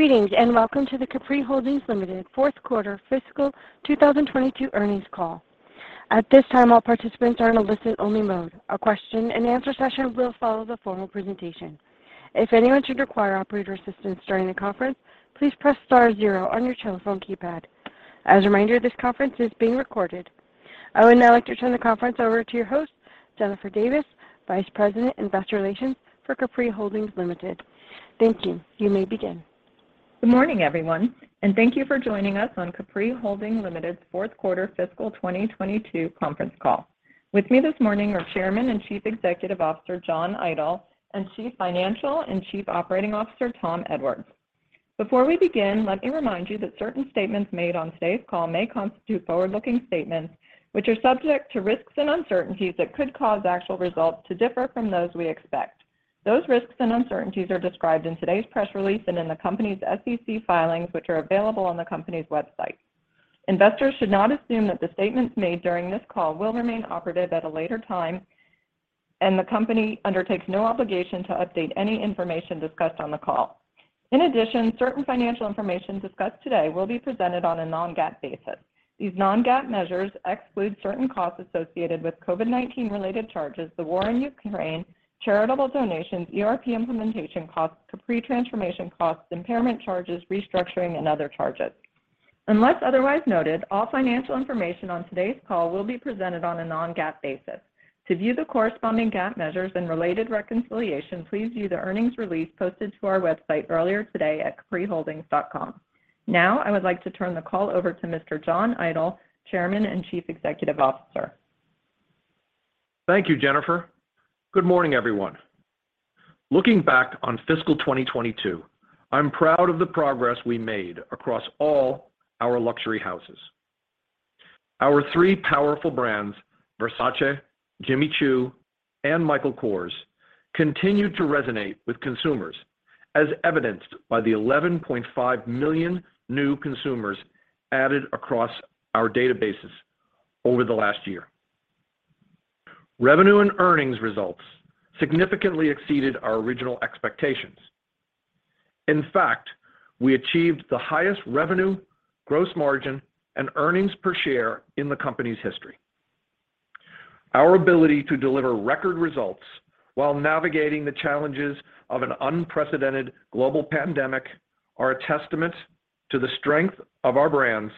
Greetings, and welcome to the Capri Holdings Limited Fourth Quarter Fiscal 2022 Earnings Call. At this time, all participants are in a listen-only mode. A question-and-answer session will follow the formal presentation. If anyone should require operator assistance during the conference, please press star zero on your telephone keypad. As a reminder, this conference is being recorded. I would now like to turn the conference over to your host, Jennifer Davis, Vice President, Investor Relations for Capri Holdings Limited. Thank you. You may begin. Good morning, everyone, and thank you for joining us on Capri Holdings Limited's fourth quarter fiscal 2022 conference call. With me this morning are Chairman and Chief Executive Officer, John Idol, and Chief Financial and Chief Operating Officer, Tom Edwards. Before we begin, let me remind you that certain statements made on today's call may constitute forward-looking statements, which are subject to risks and uncertainties that could cause actual results to differ from those we expect. Those risks and uncertainties are described in today's press release and in the company's SEC filings, which are available on the company's website. Investors should not assume that the statements made during this call will remain operative at a later time, and the company undertakes no obligation to update any information discussed on the call. In addition, certain financial information discussed today will be presented on a non-GAAP basis. These non-GAAP measures exclude certain costs associated with COVID-19 related charges, the war in Ukraine, charitable donations, ERP implementation costs, Capri transformation costs, impairment charges, restructuring, and other charges. Unless otherwise noted, all financial information on today's call will be presented on a non-GAAP basis. To view the corresponding GAAP measures and related reconciliation, please view the earnings release posted to our website earlier today at capriholdings.com. Now I would like to turn the call over to Mr. John Idol, Chairman and Chief Executive Officer. Thank you, Jennifer. Good morning, everyone. Looking back on fiscal 2022, I'm proud of the progress we made across all our luxury houses. Our three powerful brands, Versace, Jimmy Choo, and Michael Kors, continued to resonate with consumers, as evidenced by the 11.5 million new consumers added across our databases over the last year. Revenue and earnings results significantly exceeded our original expectations. In fact, we achieved the highest revenue, gross margin, and earnings per share in the company's history. Our ability to deliver record results while navigating the challenges of an unprecedented global pandemic are a testament to the strength of our brands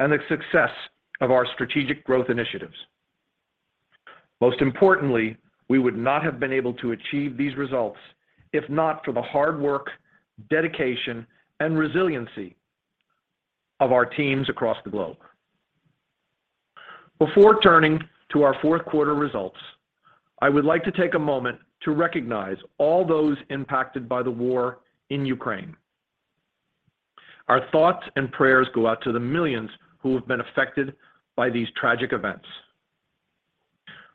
and the success of our strategic growth initiatives. Most importantly, we would not have been able to achieve these results if not for the hard work, dedication, and resiliency of our teams across the globe. Before turning to our fourth quarter results, I would like to take a moment to recognize all those impacted by the war in Ukraine. Our thoughts and prayers go out to the millions who have been affected by these tragic events.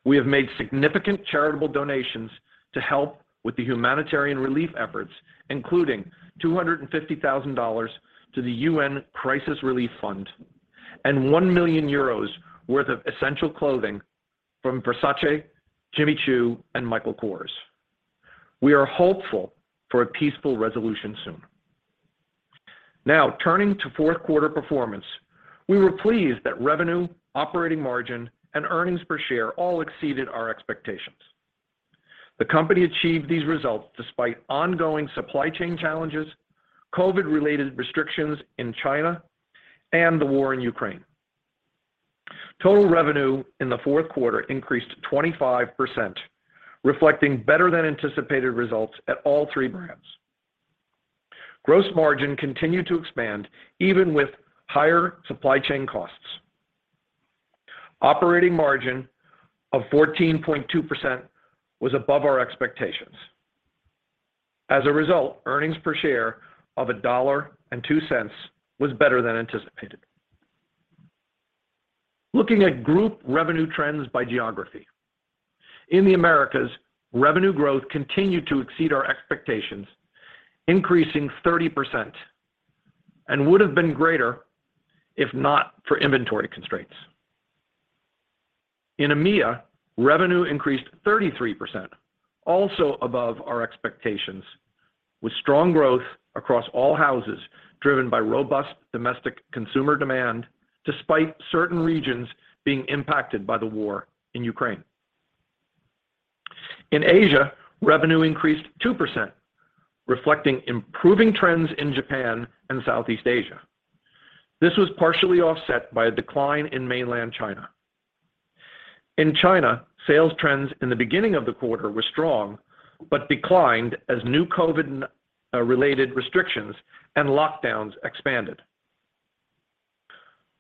We have made significant charitable donations to help with the humanitarian relief efforts, including $250,000 to the UN Crisis Relief Fund and 1 million euros worth of essential clothing from Versace, Jimmy Choo, and Michael Kors. We are hopeful for a peaceful resolution soon. Now, turning to fourth quarter performance. We were pleased that revenue, operating margin, and earnings per share all exceeded our expectations. The company achieved these results despite ongoing supply chain challenges, COVID-related restrictions in China, and the war in Ukraine. Total revenue in the fourth quarter increased 25%, reflecting better than anticipated results at all three brands. Gross margin continued to expand even with higher supply chain costs. Operating margin of 14.2% was above our expectations. As a result, earnings per share of $1.02 was better than anticipated. Looking at group revenue trends by geography. In the Americas, revenue growth continued to exceed our expectations, increasing 30% and would have been greater if not for inventory constraints. In EMEA, revenue increased 33%, also above our expectations, with strong growth across all houses driven by robust domestic consumer demand despite certain regions being impacted by the war in Ukraine. In Asia, revenue increased 2%, reflecting improving trends in Japan and Southeast Asia. This was partially offset by a decline in mainland China. In China, sales trends in the beginning of the quarter were strong, but declined as new COVID-related restrictions and lockdowns expanded.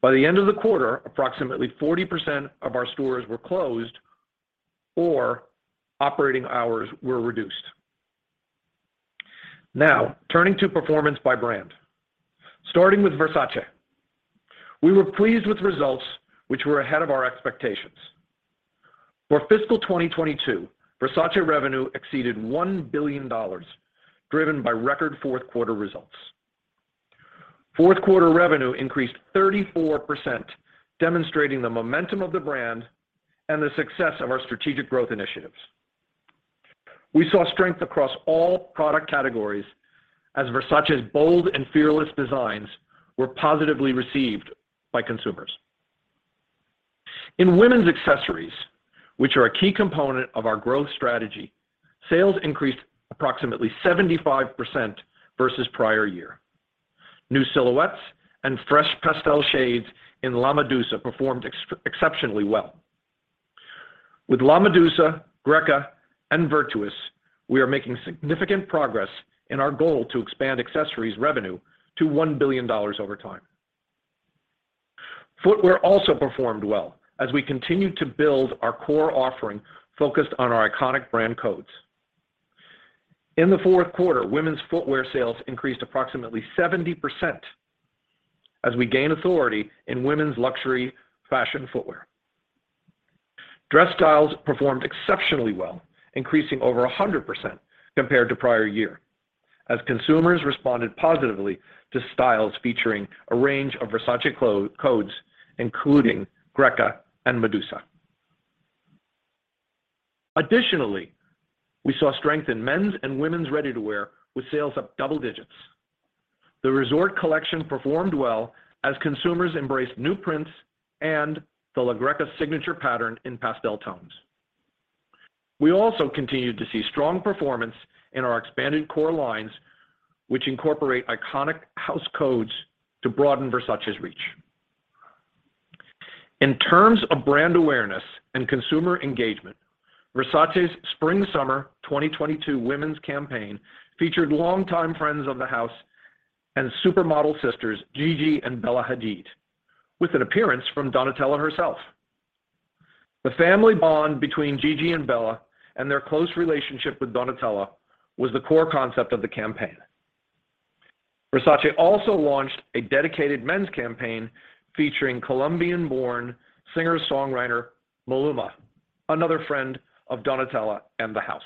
By the end of the quarter, approximately 40% of our stores were closed or operating hours were reduced. Now, turning to performance by brand. Starting with Versace. We were pleased with results which were ahead of our expectations. For fiscal 2022, Versace revenue exceeded $1 billion, driven by record fourth quarter results. Fourth quarter revenue increased 34%, demonstrating the momentum of the brand and the success of our strategic growth initiatives. We saw strength across all product categories as Versace's bold and fearless designs were positively received by consumers. In women's accessories, which are a key component of our growth strategy, sales increased approximately 75% versus prior year. New silhouettes and fresh pastel shades in La Medusa performed exceptionally well. With La Medusa, Greca, and Virtus, we are making significant progress in our goal to expand accessories revenue to $1 billion over time. Footwear also performed well as we continued to build our core offering focused on our iconic brand codes. In the fourth quarter, women's footwear sales increased approximately 70% as we gain authority in women's luxury fashion footwear. Dress styles performed exceptionally well, increasing over 100% compared to prior year as consumers responded positively to styles featuring a range of Versace codes, including Greca and Medusa. Additionally, we saw strength in men's and women's ready-to-wear with sales up double digits. The resort collection performed well as consumers embraced new prints and the La Greca signature pattern in pastel tones. We also continued to see strong performance in our expanded core lines, which incorporate iconic house codes to broaden Versace's reach. In terms of brand awareness and consumer engagement, Versace's spring/summer 2022 women's campaign featured longtime friends of the house and supermodel sisters Gigi Hadid and Bella Hadid with an appearance from Donatella herself. The family bond between Gigi Hadid and Bella Hadid and their close relationship with Donatella was the core concept of the campaign. Versace also launched a dedicated men's campaign featuring Colombian-born singer-songwriter Maluma, another friend of Donatella and the house.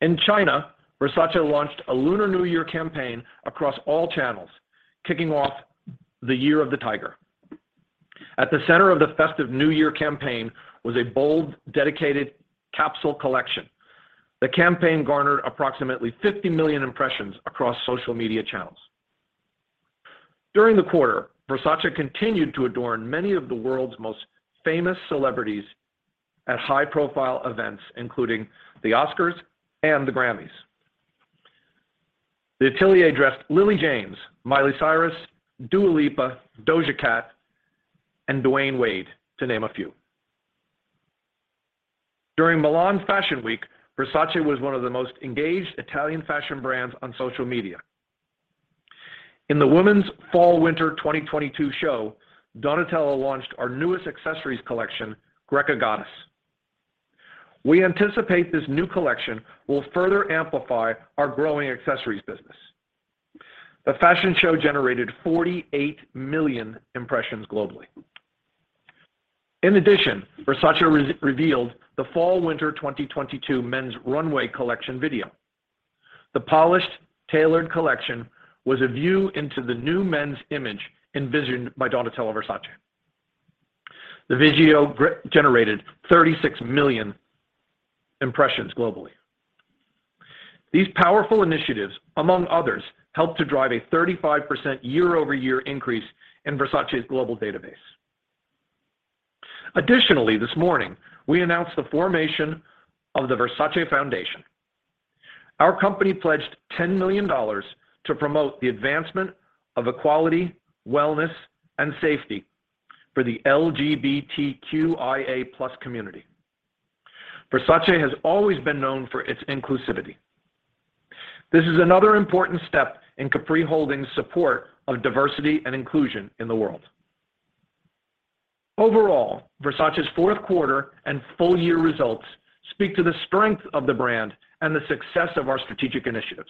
In China, Versace launched a Lunar New Year campaign across all channels, kicking off the Year of the Tiger. At the center of the festive New Year campaign was a bold, dedicated capsule collection. The campaign garnered approximately 50 million impressions across social media channels. During the quarter, Versace continued to adorn many of the world's most famous celebrities at high-profile events, including the Oscars and the Grammys. The atelier dressed Lily James, Miley Cyrus, Dua Lipa, Doja Cat, and Dwyane Wade, to name a few. During Milan Fashion Week, Versace was one of the most engaged Italian fashion brands on social media. In the women's fall/winter 2022 show, Donatella launched our newest accessories collection, Greca Goddess. We anticipate this new collection will further amplify our growing accessories business. The fashion show generated 48 million impressions globally. In addition, Versace re-revealed the fall/winter 2022 men's runway collection video. The polished, tailored collection was a view into the new men's image envisioned by Donatella Versace. The video generated 36 million impressions globally. These powerful initiatives, among others, helped to drive a 35% year-over-year increase in Versace's global database. Additionally, this morning, we announced the formation of the Versace Foundation. Our company pledged $10 million to promote the advancement of equality, wellness, and safety for the LGBTQIA+ community. Versace has always been known for its inclusivity. This is another important step in Capri Holdings' support of diversity and inclusion in the world. Overall, Versace's fourth quarter and full year results speak to the strength of the brand and the success of our strategic initiatives.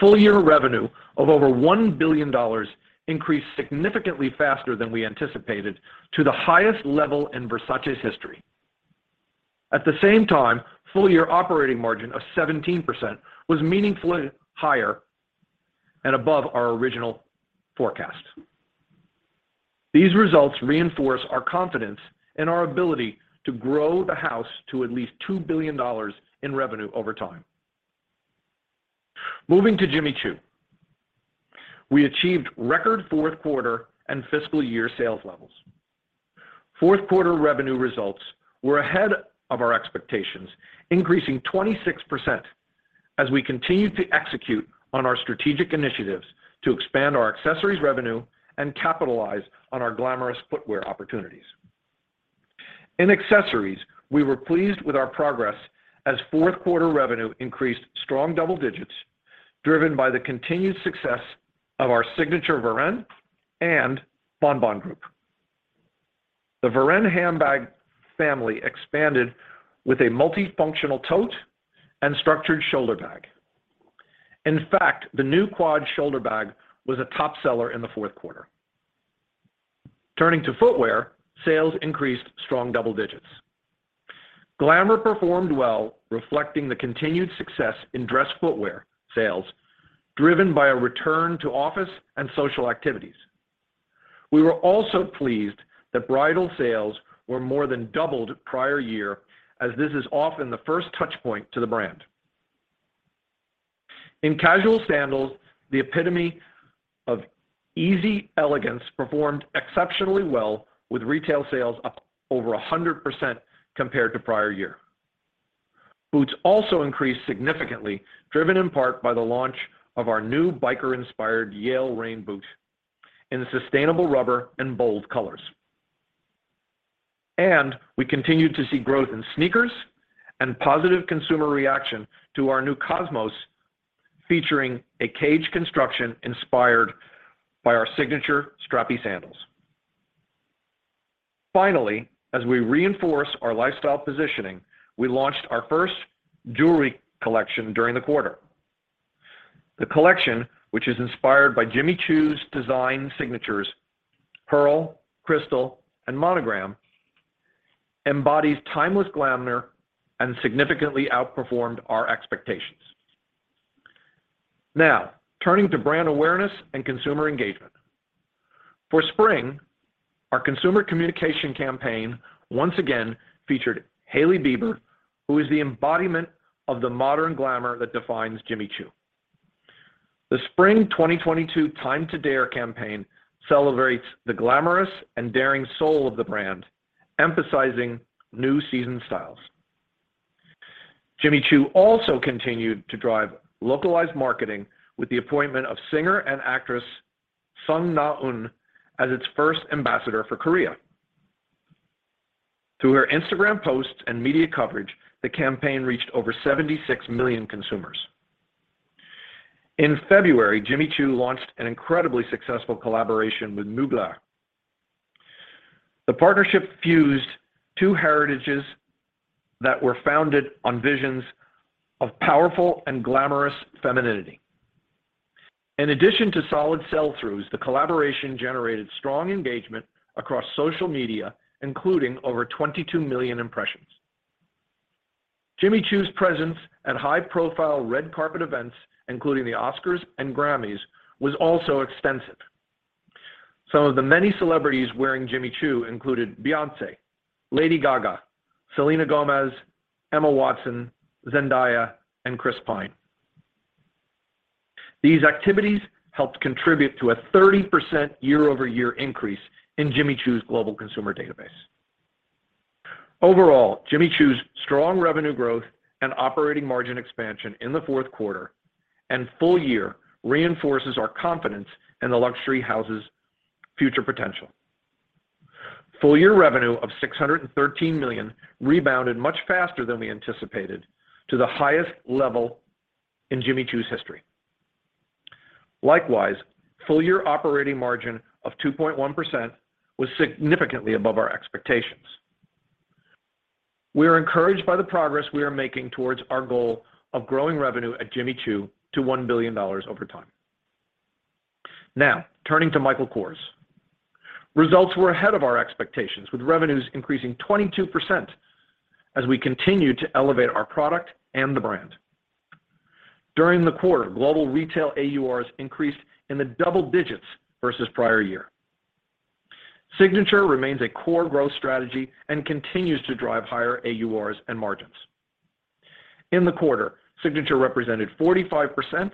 Full year revenue of over $1 billion increased significantly faster than we anticipated to the highest level in Versace's history. At the same time, full year operating margin of 17% was meaningfully higher and above our original forecast. These results reinforce our confidence in our ability to grow the house to at least $2 billion in revenue over time. Moving to Jimmy Choo, we achieved record fourth quarter and fiscal year sales levels. Fourth quarter revenue results were ahead of our expectations, increasing 26% as we continued to execute on our strategic initiatives to expand our accessories revenue and capitalize on our glamorous footwear opportunities. In accessories, we were pleased with our progress as fourth quarter revenue increased strong double digits, driven by the continued success of our signature Varenne and Bon Bon group. The Varenne handbag family expanded with a multifunctional tote and structured shoulder bag. In fact, the new quad shoulder bag was a top seller in the fourth quarter. Turning to footwear, sales increased strong double digits. Glamour performed well, reflecting the continued success in dress footwear sales, driven by a return to office and social activities. We were also pleased that bridal sales were more than doubled prior year as this is often the first touch point to the brand. In casual sandals, the epitome of easy elegance performed exceptionally well with retail sales up over 100% compared to prior year. Boots also increased significantly, driven in part by the launch of our new biker-inspired Yael rain boot in sustainable rubber and bold colors. We continued to see growth in sneakers and positive consumer reaction to our new Cosmos featuring a cage construction inspired by our signature strappy sandals. Finally, as we reinforce our lifestyle positioning, we launched our first jewelry collection during the quarter. The collection, which is inspired by Jimmy Choo's design signatures pearl, crystal, and monogram, embodies timeless glamour and significantly outperformed our expectations. Now, turning to brand awareness and consumer engagement. For spring, our consumer communication campaign once again featured Hailey Bieber, who is the embodiment of the modern glamour that defines Jimmy Choo. The spring 2022 Time to Dare campaign celebrates the glamorous and daring soul of the brand, emphasizing new season styles. Jimmy Choo also continued to drive localized marketing with the appointment of singer and actress Son Na-eun as its first ambassador for Korea. Through her Instagram posts and media coverage, the campaign reached over 76 million consumers. In February, Jimmy Choo launched an incredibly successful collaboration with Mugler. The partnership fused two heritages that were founded on visions of powerful and glamorous femininity. In addition to solid sell-throughs, the collaboration generated strong engagement across social media, including over 22 million impressions. Jimmy Choo's presence at high-profile red carpet events, including the Oscars and Grammys, was also extensive. Some of the many celebrities wearing Jimmy Choo included Beyonce, Lady Gaga, Selena Gomez, Emma Watson, Zendaya, and Chris Pine. These activities helped contribute to a 30% year-over-year increase in Jimmy Choo's global consumer database. Overall, Jimmy Choo's strong revenue growth and operating margin expansion in the fourth quarter and full year reinforces our confidence in the luxury house's future potential. Full-year revenue of $613 million rebounded much faster than we anticipated to the highest level in Jimmy Choo's history. Likewise, full-year operating margin of 2.1% was significantly above our expectations. We are encouraged by the progress we are making towards our goal of growing revenue at Jimmy Choo to $1 billion over time. Now, turning to Michael Kors. Results were ahead of our expectations, with revenues increasing 22% as we continued to elevate our product and the brand. During the quarter, global retail AURs increased in the double digits versus prior year. Signature remains a core growth strategy and continues to drive higher AURs and margins. In the quarter, Signature represented 45%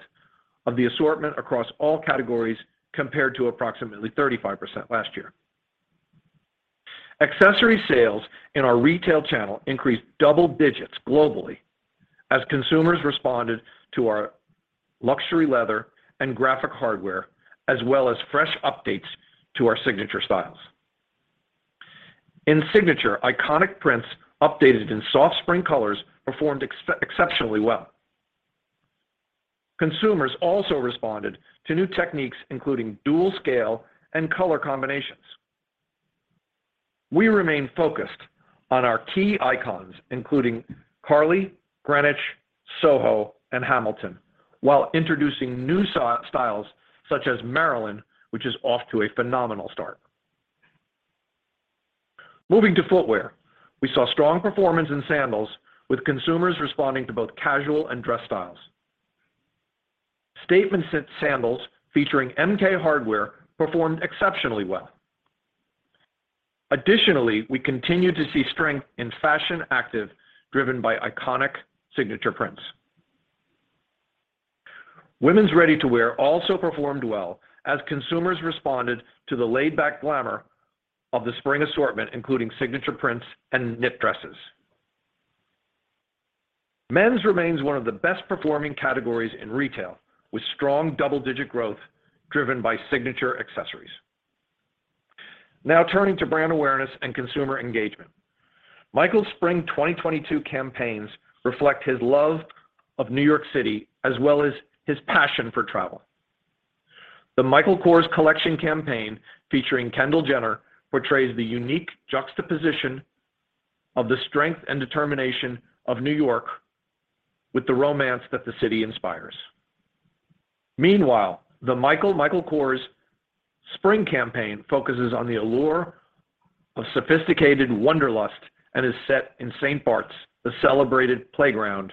of the assortment across all categories, compared to approximately 35% last year. Accessory sales in our retail channel increased double digits globally as consumers responded to our luxury leather and graphic hardware, as well as fresh updates to our signature styles. In Signature, iconic prints updated in soft spring colors performed exceptionally well. Consumers also responded to new techniques, including dual scale and color combinations. We remain focused on our key icons, including Carly, Greenwich, Soho, and Hamilton, while introducing new styles such as Marilyn, which is off to a phenomenal start. Moving to footwear. We saw strong performance in sandals with consumers responding to both casual and dress styles. Statement sandals featuring MK hardware performed exceptionally well. Additionally, we continued to see strength in fashion active, driven by iconic signature prints. Women's ready-to-wear also performed well as consumers responded to the laid-back glamour of the spring assortment, including signature prints and knit dresses. Men's remains one of the best-performing categories in retail, with strong double-digit growth driven by signature accessories. Now turning to brand awareness and consumer engagement. Michael Kors's Spring 2022 campaigns reflect his love of New York City as well as his passion for travel. The Michael Kors Collection campaign featuring Kendall Jenner portrays the unique juxtaposition of the strength and determination of New York with the romance that the city inspires. Meanwhile, the Michael Michael Kors Spring campaign focuses on the allure of sophisticated wanderlust and is set in St. Barths, the celebrated playground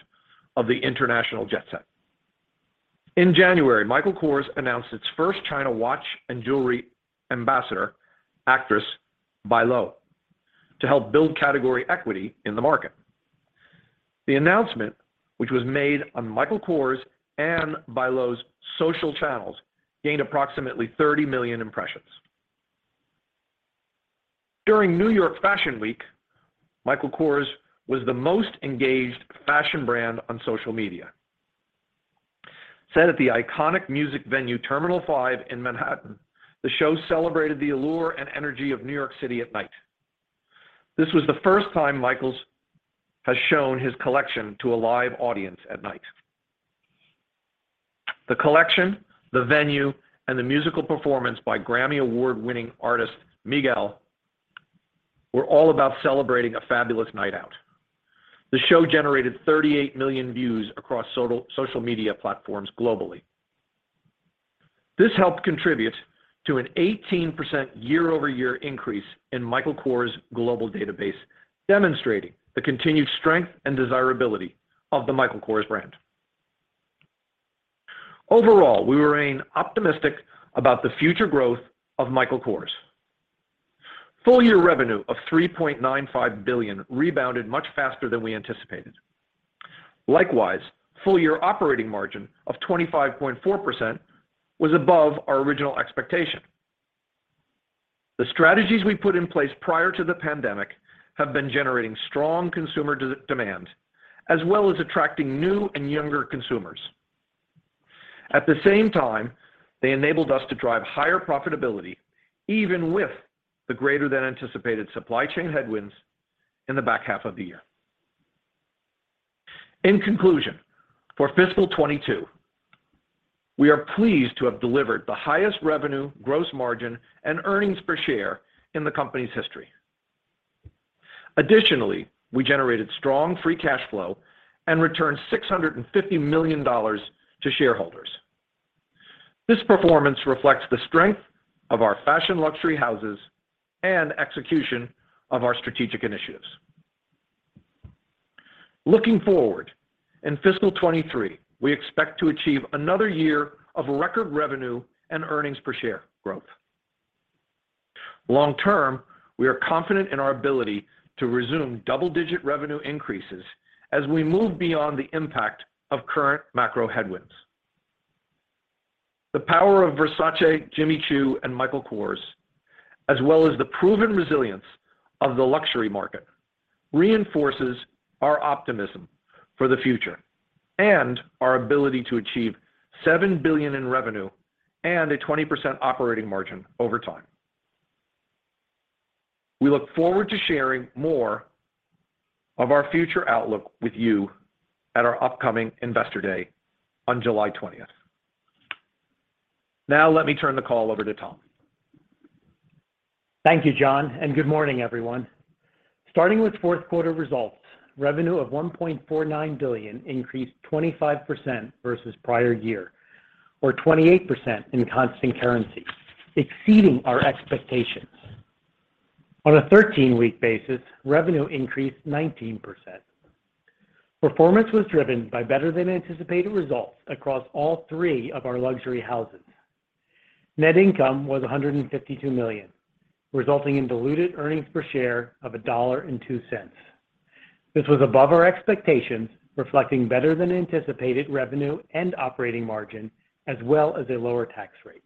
of the international jet set. In January, Michael Kors announced its first China watch and jewelry ambassador, actress Bai Lu, to help build category equity in the market. The announcement, which was made on Michael Kors and Bai Lu's social channels, gained approximately 30 million impressions. During New York Fashion Week, Michael Kors was the most engaged fashion brand on social media. Set at the iconic music venue Terminal Five in Manhattan, the show celebrated the allure and energy of New York City at night. This was the first time Michael has shown his collection to a live audience at night. The collection, the venue, and the musical performance by Grammy Award-winning artist Miguel were all about celebrating a fabulous night out. The show generated 38 million views across social media platforms globally. This helped contribute to an 18% year-over-year increase in Michael Kors global DTC base, demonstrating the continued strength and desirability of the Michael Kors brand. Overall, we remain optimistic about the future growth of Michael Kors. Full year revenue of $3.95 billion rebounded much faster than we anticipated. Likewise, full year operating margin of 25.4% was above our original expectation. The strategies we put in place prior to the pandemic have been generating strong consumer demand, as well as attracting new and younger consumers. At the same time, they enabled us to drive higher profitability, even with the greater than anticipated supply chain headwinds in the back half of the year. In conclusion, for fiscal 2022, we are pleased to have delivered the highest revenue, gross margin, and earnings per share in the company's history. Additionally, we generated strong free cash flow and returned $650 million to shareholders. This performance reflects the strength of our fashion luxury houses and execution of our strategic initiatives. Looking forward, in fiscal 2023, we expect to achieve another year of record revenue and earnings per share growth. Long term, we are confident in our ability to resume double-digit revenue increases as we move beyond the impact of current macro headwinds. The power of Versace, Jimmy Choo, and Michael Kors, as well as the proven resilience of the luxury market, reinforces our optimism for the future and our ability to achieve $7 billion in revenue and a 20% operating margin over time. We look forward to sharing more of our future outlook with you at our upcoming Investor Day on July 20th. Now let me turn the call over to Tom. Thank you, John, and good morning, everyone. Starting with fourth quarter results, revenue of $1.49 billion increased 25% versus prior year, or 28% in constant currency, exceeding our expectations. On a 13-week basis, revenue increased 19%. Performance was driven by better than anticipated results across all three of our luxury houses. Net income was $152 million, resulting in diluted earnings per share of $1.02. This was above our expectations, reflecting better than anticipated revenue and operating margin, as well as a lower tax rate.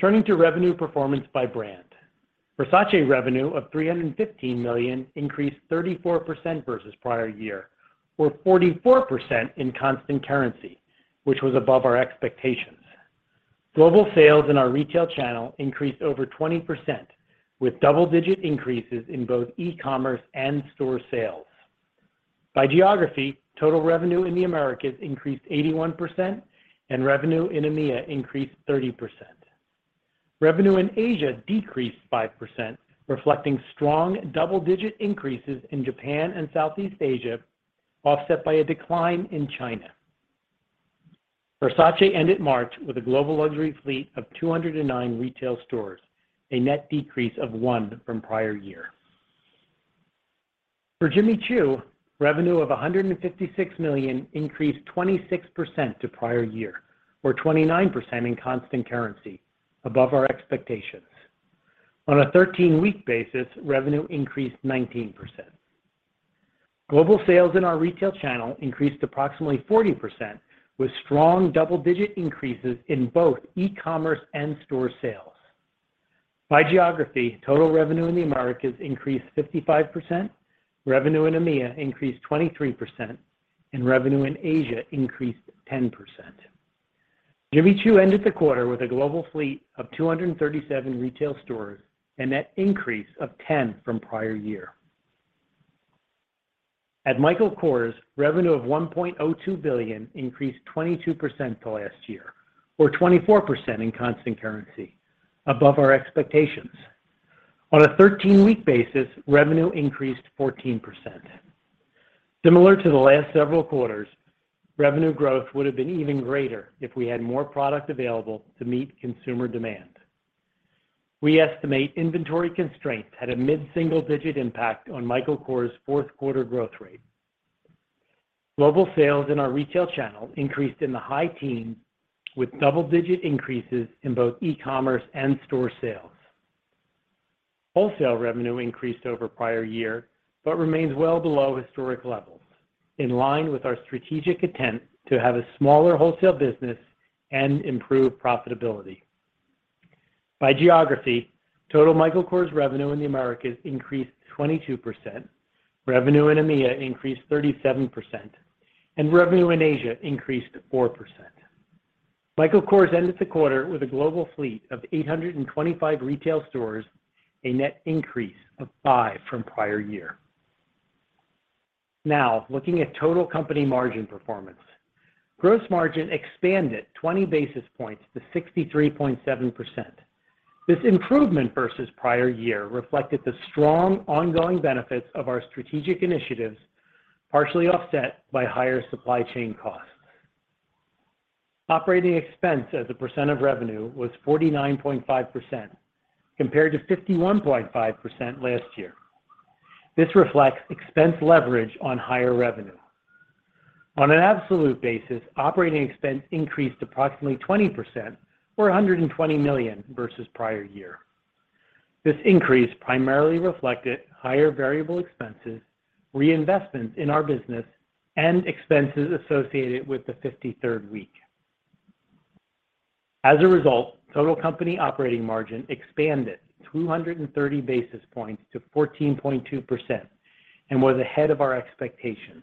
Turning to revenue performance by brand. Versace revenue of $315 million increased 34% versus prior year, or 44% in constant currency, which was above our expectations. Global sales in our retail channel increased over 20%, with double-digit increases in both e-commerce and store sales. By geography, total revenue in the Americas increased 81%, and revenue in EMEA increased 30%. Revenue in Asia decreased 5%, reflecting strong double-digit increases in Japan and Southeast Asia, offset by a decline in China. Versace ended March with a global luxury fleet of 209 retail stores, a net decrease of one from prior year. For Jimmy Choo, revenue of $156 million increased 26% from prior year or 29% in constant currency above our expectations. On a 13-week basis, revenue increased 19%. Global sales in our retail channel increased approximately 40% with strong double-digit increases in both e-commerce and store sales. By geography, total revenue in the Americas increased 55%, revenue in EMEA increased 23%, and revenue in Asia increased 10%. Jimmy Choo ended the quarter with a global fleet of 237 retail stores, a net increase of 10 from prior year. At Michael Kors, revenue of $1.02 billion increased 22% to last year, or 24% in constant currency above our expectations. On a 13-week basis, revenue increased 14%. Similar to the last several quarters, revenue growth would have been even greater if we had more product available to meet consumer demand. We estimate inventory constraints had a mid-single-digit impact on Michael Kors' fourth quarter growth rate. Global sales in our retail channel increased in the high teens with double-digit increases in both e-commerce and store sales. Wholesale revenue increased over prior year, but remains well below historic levels, in line with our strategic intent to have a smaller wholesale business and improve profitability. By geography, total Michael Kors revenue in the Americas increased 22%, revenue in EMEA increased 37%, and revenue in Asia increased 4%. Michael Kors ended the quarter with a global fleet of 825 retail stores, a net increase of five from prior year. Now, looking at total company margin performance. Gross margin expanded 20 basis points to 63.7%. This improvement versus prior year reflected the strong ongoing benefits of our strategic initiatives, partially offset by higher supply chain costs. Operating expense as a percent of revenue was 49.5% compared to 51.5% last year. This reflects expense leverage on higher revenue. On an absolute basis, operating expense increased approximately 20% or $120 million versus prior year. This increase primarily reflected higher variable expenses, reinvestment in our business, and expenses associated with the 53rd week. As a result, total company operating margin expanded 230 basis points to 14.2% and was ahead of our expectations.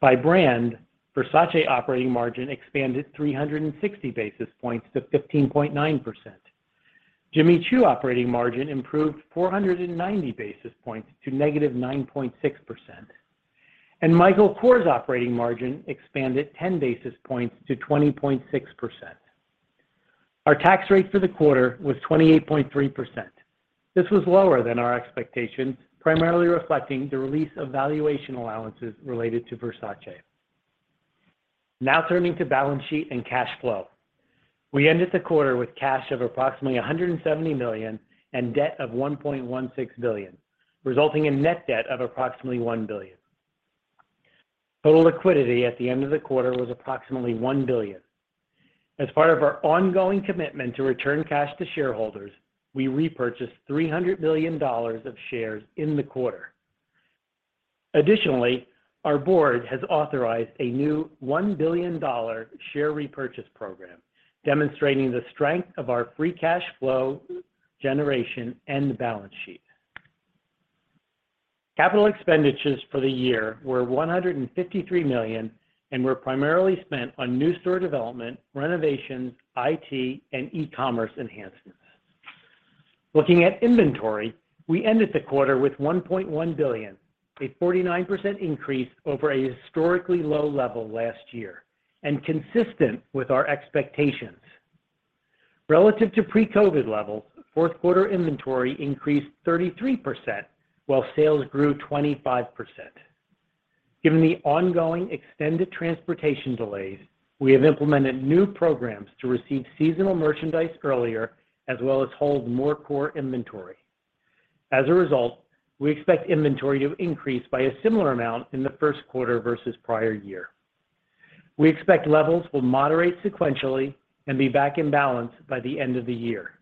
By brand, Versace operating margin expanded 360 basis points to 15.9%. Jimmy Choo operating margin improved 490 basis points to -9.6%. Michael Kors operating margin expanded 10 basis points to 20.6%. Our tax rate for the quarter was 28.3%. This was lower than our expectations, primarily reflecting the release of valuation allowances related to Versace. Now turning to balance sheet and cash flow. We ended the quarter with cash of approximately $170 million and debt of $1.16 billion, resulting in net debt of approximately $1 billion. Total liquidity at the end of the quarter was approximately $1 billion. As part of our ongoing commitment to return cash to shareholders, we repurchased $300 million of shares in the quarter. Additionally, our board has authorized a new $1 billion share repurchase program, demonstrating the strength of our free cash flow generation and the balance sheet. Capital expenditures for the year were $153 million and were primarily spent on new store development, renovations, IT, and e-commerce enhancements. Looking at inventory, we ended the quarter with $1.1 billion, a 49% increase over a historically low level last year and consistent with our expectations. Relative to pre-COVID levels, fourth quarter inventory increased 33% while sales grew 25%. Given the ongoing extended transportation delays, we have implemented new programs to receive seasonal merchandise earlier as well as hold more core inventory. As a result, we expect inventory to increase by a similar amount in the first quarter versus prior year. We expect levels will moderate sequentially and be back in balance by the end of the year.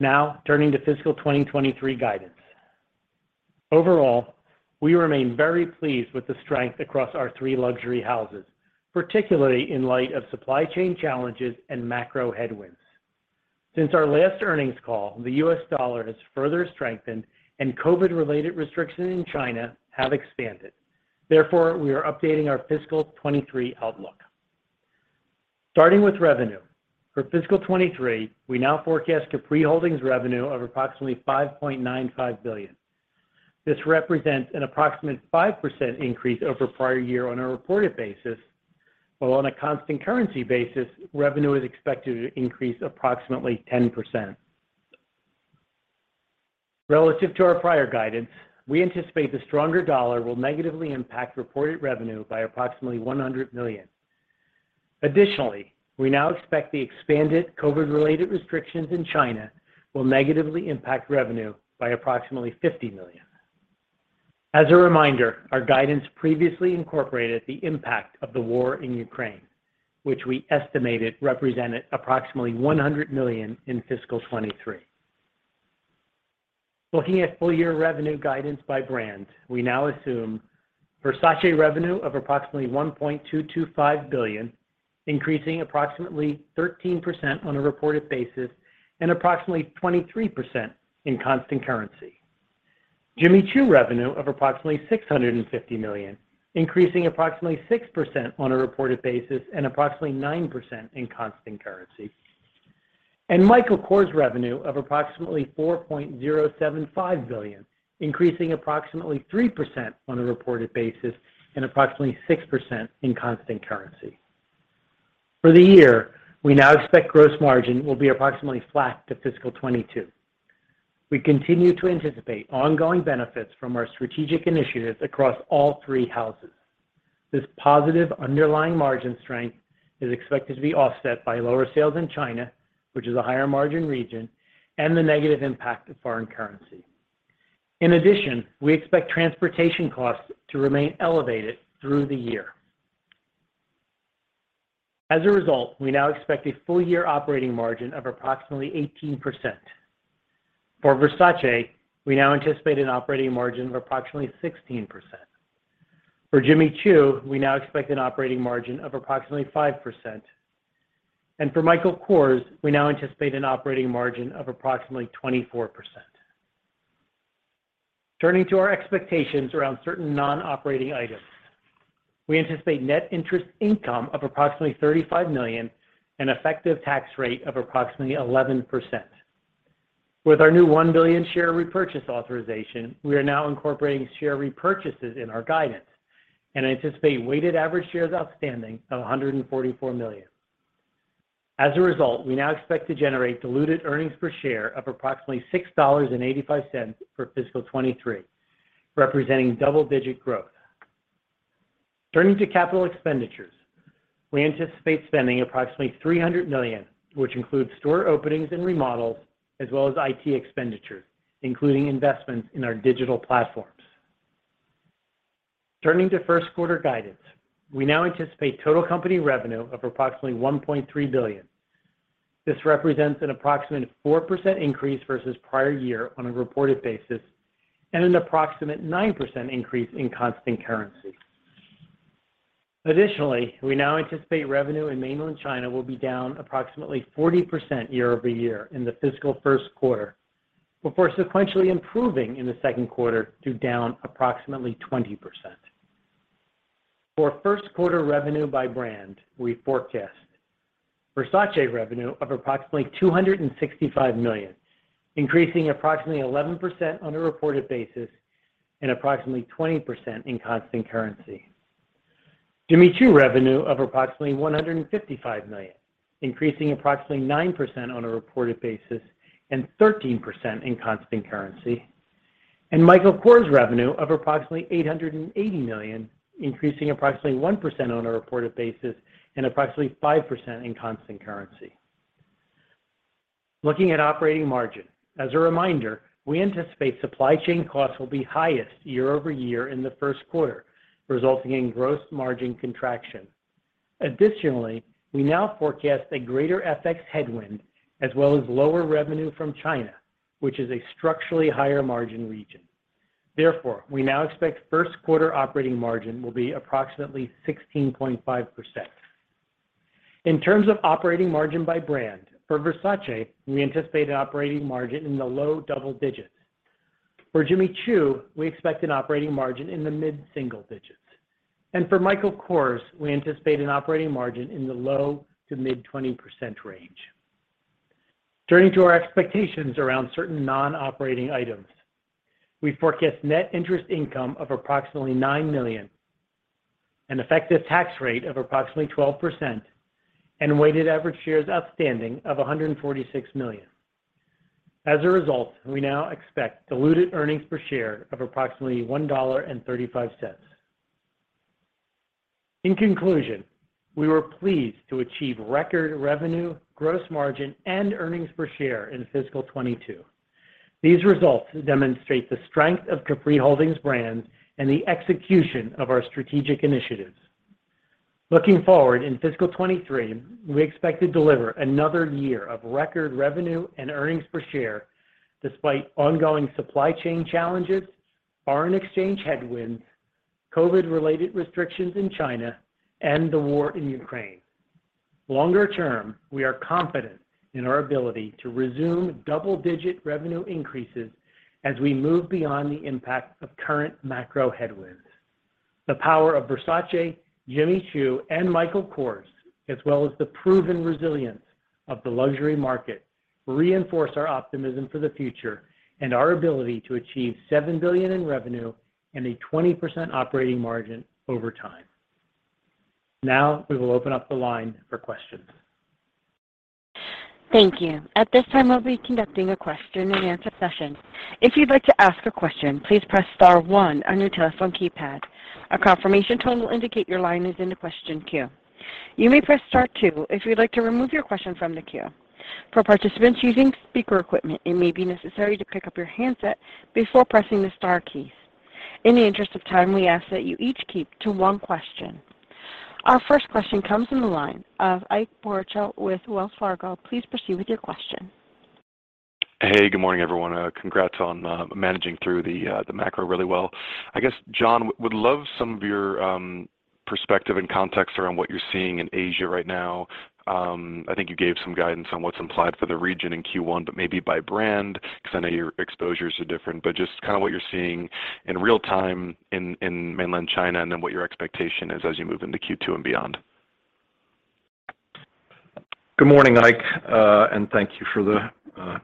Now, turning to fiscal 2023 guidance. Overall, we remain very pleased with the strength across our three luxury houses, particularly in light of supply chain challenges and macro headwinds. Since our last earnings call, the US dollar has further strengthened and COVID-related restrictions in China have expanded. Therefore, we are updating our fiscal 2023 outlook. Starting with revenue. For fiscal 2023, we now forecast Capri Holdings revenue of approximately $5.95 billion. This represents an approximate 5% increase over prior year on a reported basis, while on a constant currency basis, revenue is expected to increase approximately 10%. Relative to our prior guidance, we anticipate the stronger dollar will negatively impact reported revenue by approximately $100 million. Additionally, we now expect the expanded COVID-related restrictions in China will negatively impact revenue by approximately $50 million. As a reminder, our guidance previously incorporated the impact of the war in Ukraine, which we estimated represented approximately $100 million in fiscal 2023. Looking at full year revenue guidance by brand, we now assume Versace revenue of approximately $1.225 billion, increasing approximately 13% on a reported basis and approximately 23% in constant currency. Jimmy Choo revenue of approximately $650 million, increasing approximately 6% on a reported basis and approximately 9% in constant currency. Michael Kors revenue of approximately $4.075 billion, increasing approximately 3% on a reported basis and approximately 6% in constant currency. For the year, we now expect gross margin will be approximately flat to fiscal 2022. We continue to anticipate ongoing benefits from our strategic initiatives across all three houses. This positive underlying margin strength is expected to be offset by lower sales in China, which is a higher margin region, and the negative impact of foreign currency. In addition, we expect transportation costs to remain elevated through the year. As a result, we now expect a full year operating margin of approximately 18%. For Versace, we now anticipate an operating margin of approximately 16%. For Jimmy Choo, we now expect an operating margin of approximately 5%. For Michael Kors, we now anticipate an operating margin of approximately 24%. Turning to our expectations around certain non-operating items. We anticipate net interest income of approximately $35 million, an effective tax rate of approximately 11%. With our new 1 billion share repurchase authorization, we are now incorporating share repurchases in our guidance and anticipate weighted average shares outstanding of 144 million. As a result, we now expect to generate diluted earnings per share of approximately $6.85 for fiscal 2023, representing double-digit growth. Turning to capital expenditures. We anticipate spending approximately $300 million, which includes store openings and remodels, as well as IT expenditures, including investments in our digital platforms. Turning to first quarter guidance. We now anticipate total company revenue of approximately $1.3 billion. This represents an approximate 4% increase versus prior year on a reported basis, and an approximate 9% increase in constant currency. Additionally, we now anticipate revenue in mainland China will be down approximately 40% year over year in the fiscal first quarter, before sequentially improving in the second quarter to down approximately 20%. For first quarter revenue by brand, we forecast Versace revenue of approximately $265 million, increasing approximately 11% on a reported basis and approximately 20% in constant currency. Jimmy Choo revenue of approximately $155 million, increasing approximately 9% on a reported basis and 13% in constant currency. Michael Kors revenue of approximately $880 million, increasing approximately 1% on a reported basis and approximately 5% in constant currency. Looking at operating margin. As a reminder, we anticipate supply chain costs will be highest year over year in the first quarter, resulting in gross margin contraction. Additionally, we now forecast a greater FX headwind as well as lower revenue from China, which is a structurally higher margin region. Therefore, we now expect first quarter operating margin will be approximately 16.5%. In terms of operating margin by brand, for Versace, we anticipate an operating margin in the low double digits. For Jimmy Choo, we expect an operating margin in the mid single digits. For Michael Kors, we anticipate an operating margin in the low to mid-20% range. Turning to our expectations around certain non-operating items. We forecast net interest income of approximately $9 million, an effective tax rate of approximately 12%, and weighted average shares outstanding of 146 million. As a result, we now expect diluted earnings per share of approximately $1.35. In conclusion, we were pleased to achieve record revenue, gross margin, and earnings per share in fiscal 2022. These results demonstrate the strength of Capri Holdings brands and the execution of our strategic initiatives. Looking forward, in fiscal 2023, we expect to deliver another year of record revenue and earnings per share despite ongoing supply chain challenges, foreign exchange headwinds, COVID-related restrictions in China, and the war in Ukraine. Longer term, we are confident in our ability to resume double-digit revenue increases as we move beyond the impact of current macro headwinds. The power of Versace, Jimmy Choo, and Michael Kors, as well as the proven resilience of the luxury market, reinforce our optimism for the future and our ability to achieve $7 billion in revenue and a 20% operating margin over time. Now we will open up the line for questions. Thank you. At this time, we'll be conducting a question and answer session. If you'd like to ask a question, please press star one on your telephone keypad. A confirmation tone will indicate your line is in the question queue. You may press star two if you'd like to remove your question from the queue. For participants using speaker equipment, it may be necessary to pick up your handset before pressing the star keys. In the interest of time, we ask that you each keep to one question. Our first question comes from the line of Ike Boruchow with Wells Fargo. Please proceed with your question. Hey, good morning, everyone. Congrats on managing through the macro really well. I guess, John, would love some of your perspective and context around what you're seeing in Asia right now. I think you gave some guidance on what's implied for the region in Q1, but maybe by brand, because I know your exposures are different, but just kind of what you're seeing in real time in mainland China, and then what your expectation is as you move into Q2 and beyond. Good morning, Ike, and thank you for the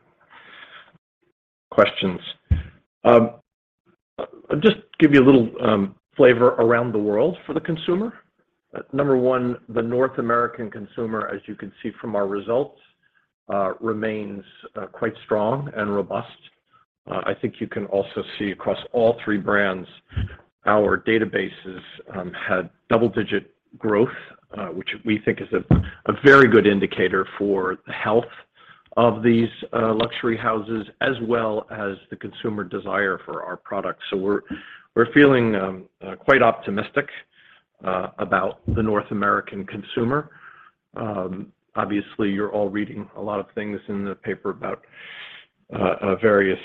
Questions. Just give you a little flavor around the world for the consumer. Number one, the North American consumer, as you can see from our results, remains quite strong and robust. I think you can also see across all three brands, our databases had double digit growth, which we think is a very good indicator for the health of these luxury houses as well as the consumer desire for our products. We're feeling quite optimistic about the North American consumer. Obviously, you're all reading a lot of things in the paper about various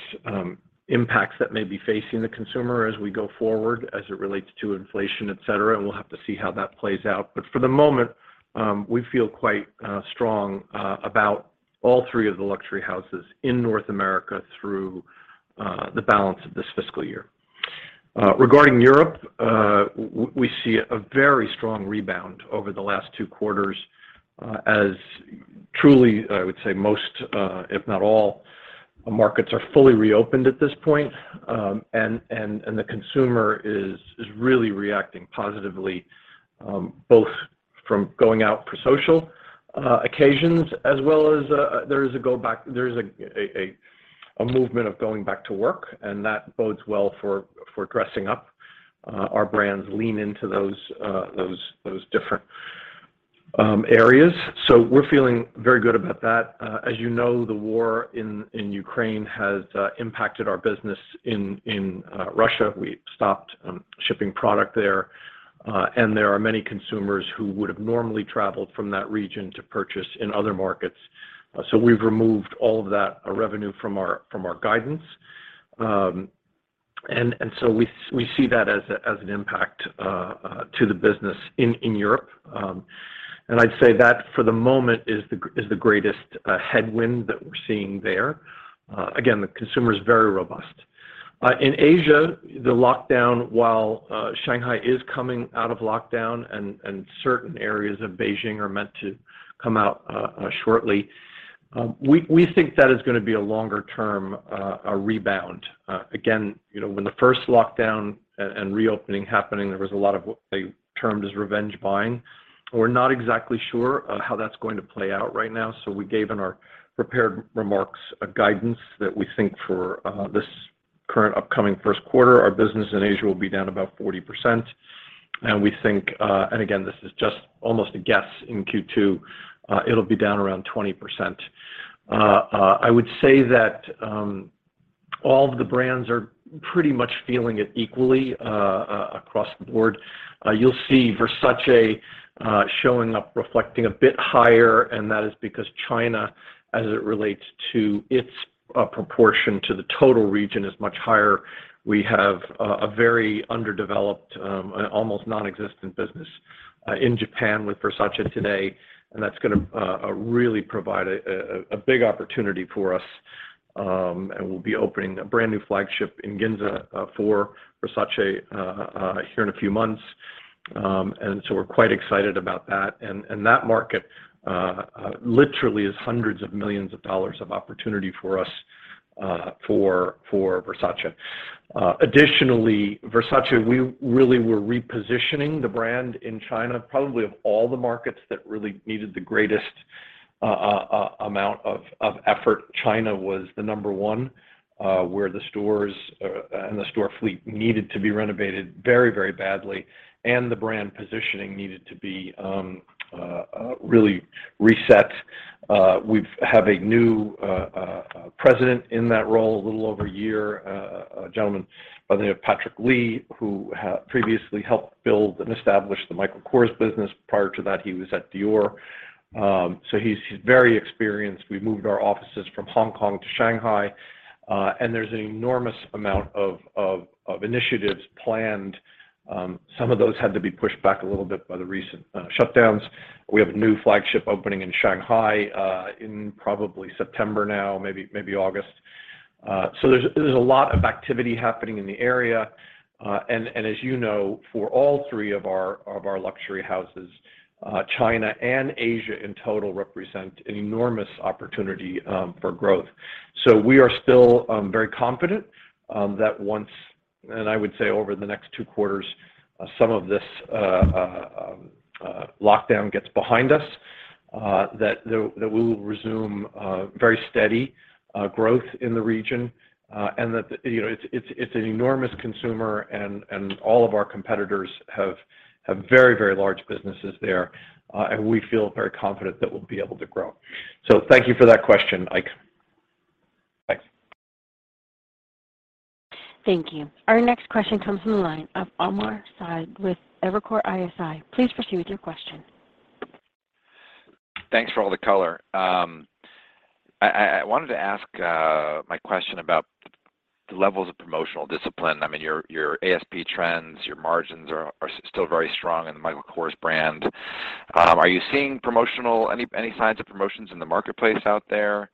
impacts that may be facing the consumer as we go forward as it relates to inflation, et cetera, and we'll have to see how that plays out. For the moment, we feel quite strong about all three of the luxury houses in North America through the balance of this fiscal year. Regarding Europe, we see a very strong rebound over the last two quarters, as truly, I would say most, if not all markets are fully reopened at this point. The consumer is really reacting positively, both from going out for social occasions as well as there is a movement of going back to work, and that bodes well for dressing up. Our brands lean into those different areas. We're feeling very good about that. As you know, the war in Ukraine has impacted our business in Russia. We stopped shipping product there, and there are many consumers who would have normally traveled from that region to purchase in other markets. We've removed all of that revenue from our guidance, and so we see that as an impact to the business in Europe. I'd say that for the moment is the greatest headwind that we're seeing there. Again, the consumer is very robust. In Asia, the lockdown, while Shanghai is coming out of lockdown and certain areas of Beijing are meant to come out shortly, we think that is gonna be a longer term rebound. Again, you know, when the first lockdown and reopening happening, there was a lot of what they termed as revenge buying. We're not exactly sure how that's going to play out right now. We gave in our prepared remarks a guidance that we think for this current upcoming first quarter, our business in Asia will be down about 40%. We think, and again, this is just almost a guess in Q2, it'll be down around 20%. I would say that all of the brands are pretty much feeling it equally across the board. You'll see Versace showing up reflecting a bit higher, and that is because China, as it relates to its proportion to the total region, is much higher. We have a very underdeveloped almost nonexistent business in Japan with Versace today, and that's gonna really provide a big opportunity for us. We'll be opening a brand new flagship in Ginza for Versace here in a few months. We're quite excited about that. That market literally is $hundreds of millions of opportunity for us for Versace. Additionally, Versace, we really were repositioning the brand in China, probably of all the markets that really needed the greatest amount of effort. China was the number one where the stores and the store fleet needed to be renovated very, very badly, and the brand positioning needed to be really reset. We have a new president in that role a little over a year, a gentleman by the name of Patrick Lee, who previously helped build and establish the Michael Kors business. Prior to that, he was at Dior. He's very experienced. We moved our offices from Hong Kong to Shanghai, and there's an enormous amount of initiatives planned, some of those had to be pushed back a little bit by the recent shutdowns. We have a new flagship opening in Shanghai, in probably September now, maybe August. There's a lot of activity happening in the area. As you know, for all three of our luxury houses, China and Asia in total represent an enormous opportunity for growth. We are still very confident. I would say over the next two quarters, some of this lockdown gets behind us, that we will resume very steady growth in the region, and that, you know, it's an enormous consumer and all of our competitors have very large businesses there. We feel very confident that we'll be able to grow. Thank you for that question, Ike. Thanks. Thank you. Our next question comes from the line of Omar Saad with Evercore ISI. Please proceed with your question. Thanks for all the color. I wanted to ask my question about the levels of promotional discipline. I mean, your ASP trends, your margins are still very strong in the Michael Kors brand. Are you seeing any signs of promotions in the marketplace out there?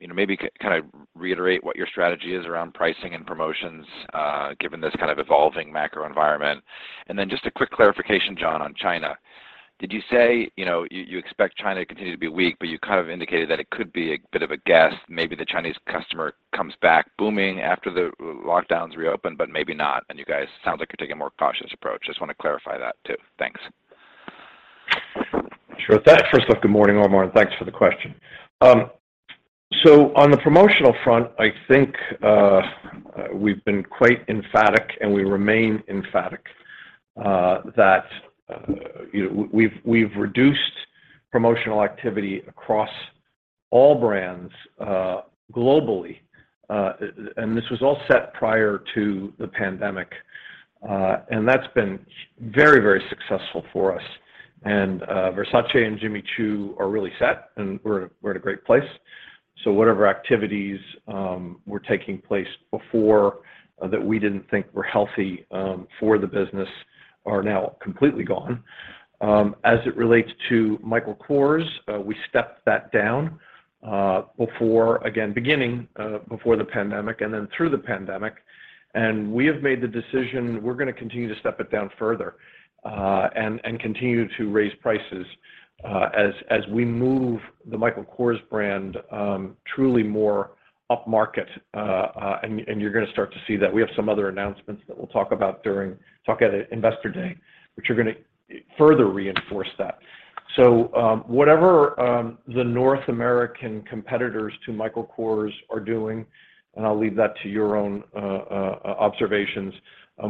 You know, maybe kind of reiterate what your strategy is around pricing and promotions, given this kind of evolving macro environment. Just a quick clarification, John, on China. Did you say, you know, you expect China to continue to be weak, but you kind of indicated that it could be a bit of a guess, maybe the Chinese customer comes back booming after the lockdowns reopen, but maybe not. You guys sound like you're taking a more cautious approach. Just wanna clarify that too. Thanks. Sure. With that, first off, good morning, Omar, and thanks for the question. On the promotional front, I think, we've been quite emphatic, and we remain emphatic, that, you know, we've reduced promotional activity across all brands, globally. This was all set prior to the pandemic, and that's been very, very successful for us. Versace and Jimmy Choo are really set, and we're at a great place. Whatever activities were taking place before that we didn't think were healthy for the business are now completely gone. As it relates to Michael Kors, we stepped that down before, again, beginning, before the pandemic and then through the pandemic. We have made the decision. We're gonna continue to step it down further and continue to raise prices as we move the Michael Kors brand truly more upmarket. You're gonna start to see that. We have some other announcements that we'll talk about at Investor Day, which are gonna further reinforce that. Whatever the North American competitors to Michael Kors are doing, I'll leave that to your own observations.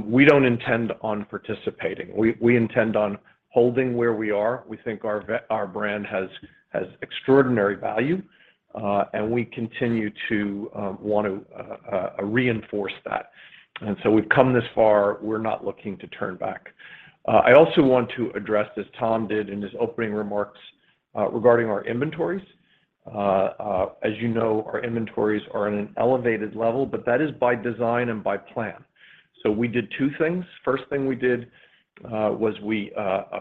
We don't intend on participating. We intend on holding where we are. We think our brand has extraordinary value, and we continue to want to reinforce that. We've come this far. We're not looking to turn back. I also want to address, as Tom did in his opening remarks, regarding our inventories. As you know, our inventories are at an elevated level, but that is by design and by plan. We did two things. First thing we did was we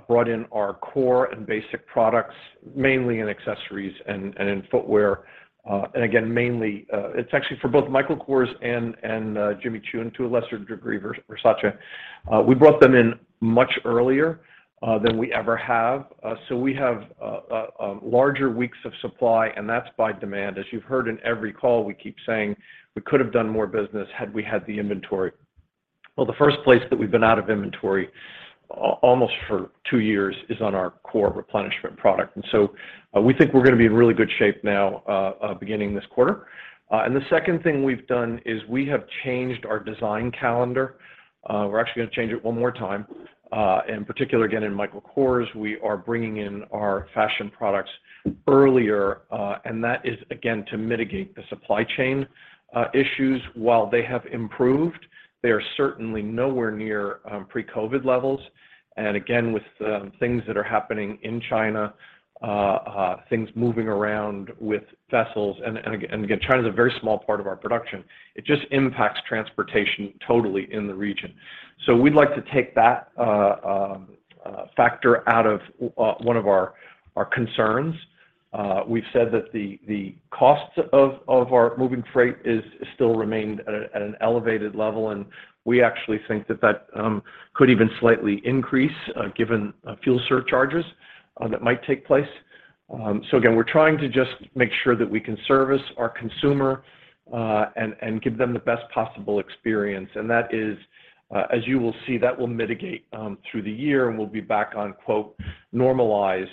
brought in our core and basic products, mainly in accessories and in footwear. And again, mainly, it's actually for both Michael Kors and Jimmy Choo, and to a lesser degree, Versace. We brought them in much earlier than we ever have. We have larger weeks of supply, and that's by design. As you've heard in every call, we keep saying we could have done more business had we had the inventory. Well, the first place that we've been out of inventory almost for two years is on our core replenishment product. We think we're gonna be in really good shape now, beginning this quarter. The second thing we've done is we have changed our design calendar. We're actually gonna change it one more time. In particular, again, in Michael Kors, we are bringing in our fashion products earlier, and that is again, to mitigate the supply chain issues. While they have improved, they are certainly nowhere near pre-COVID levels. With things that are happening in China, things moving around with vessels. Again, China's a very small part of our production. It just impacts transportation totally in the region. We'd like to take that factor out of one of our concerns. We've said that the costs of our moving freight is still remained at an elevated level, and we actually think that could even slightly increase, given fuel surcharges that might take place. Again, we're trying to just make sure that we can service our consumer and give them the best possible experience. That is, as you will see, that will mitigate through the year, and we'll be back on, quote, normalized,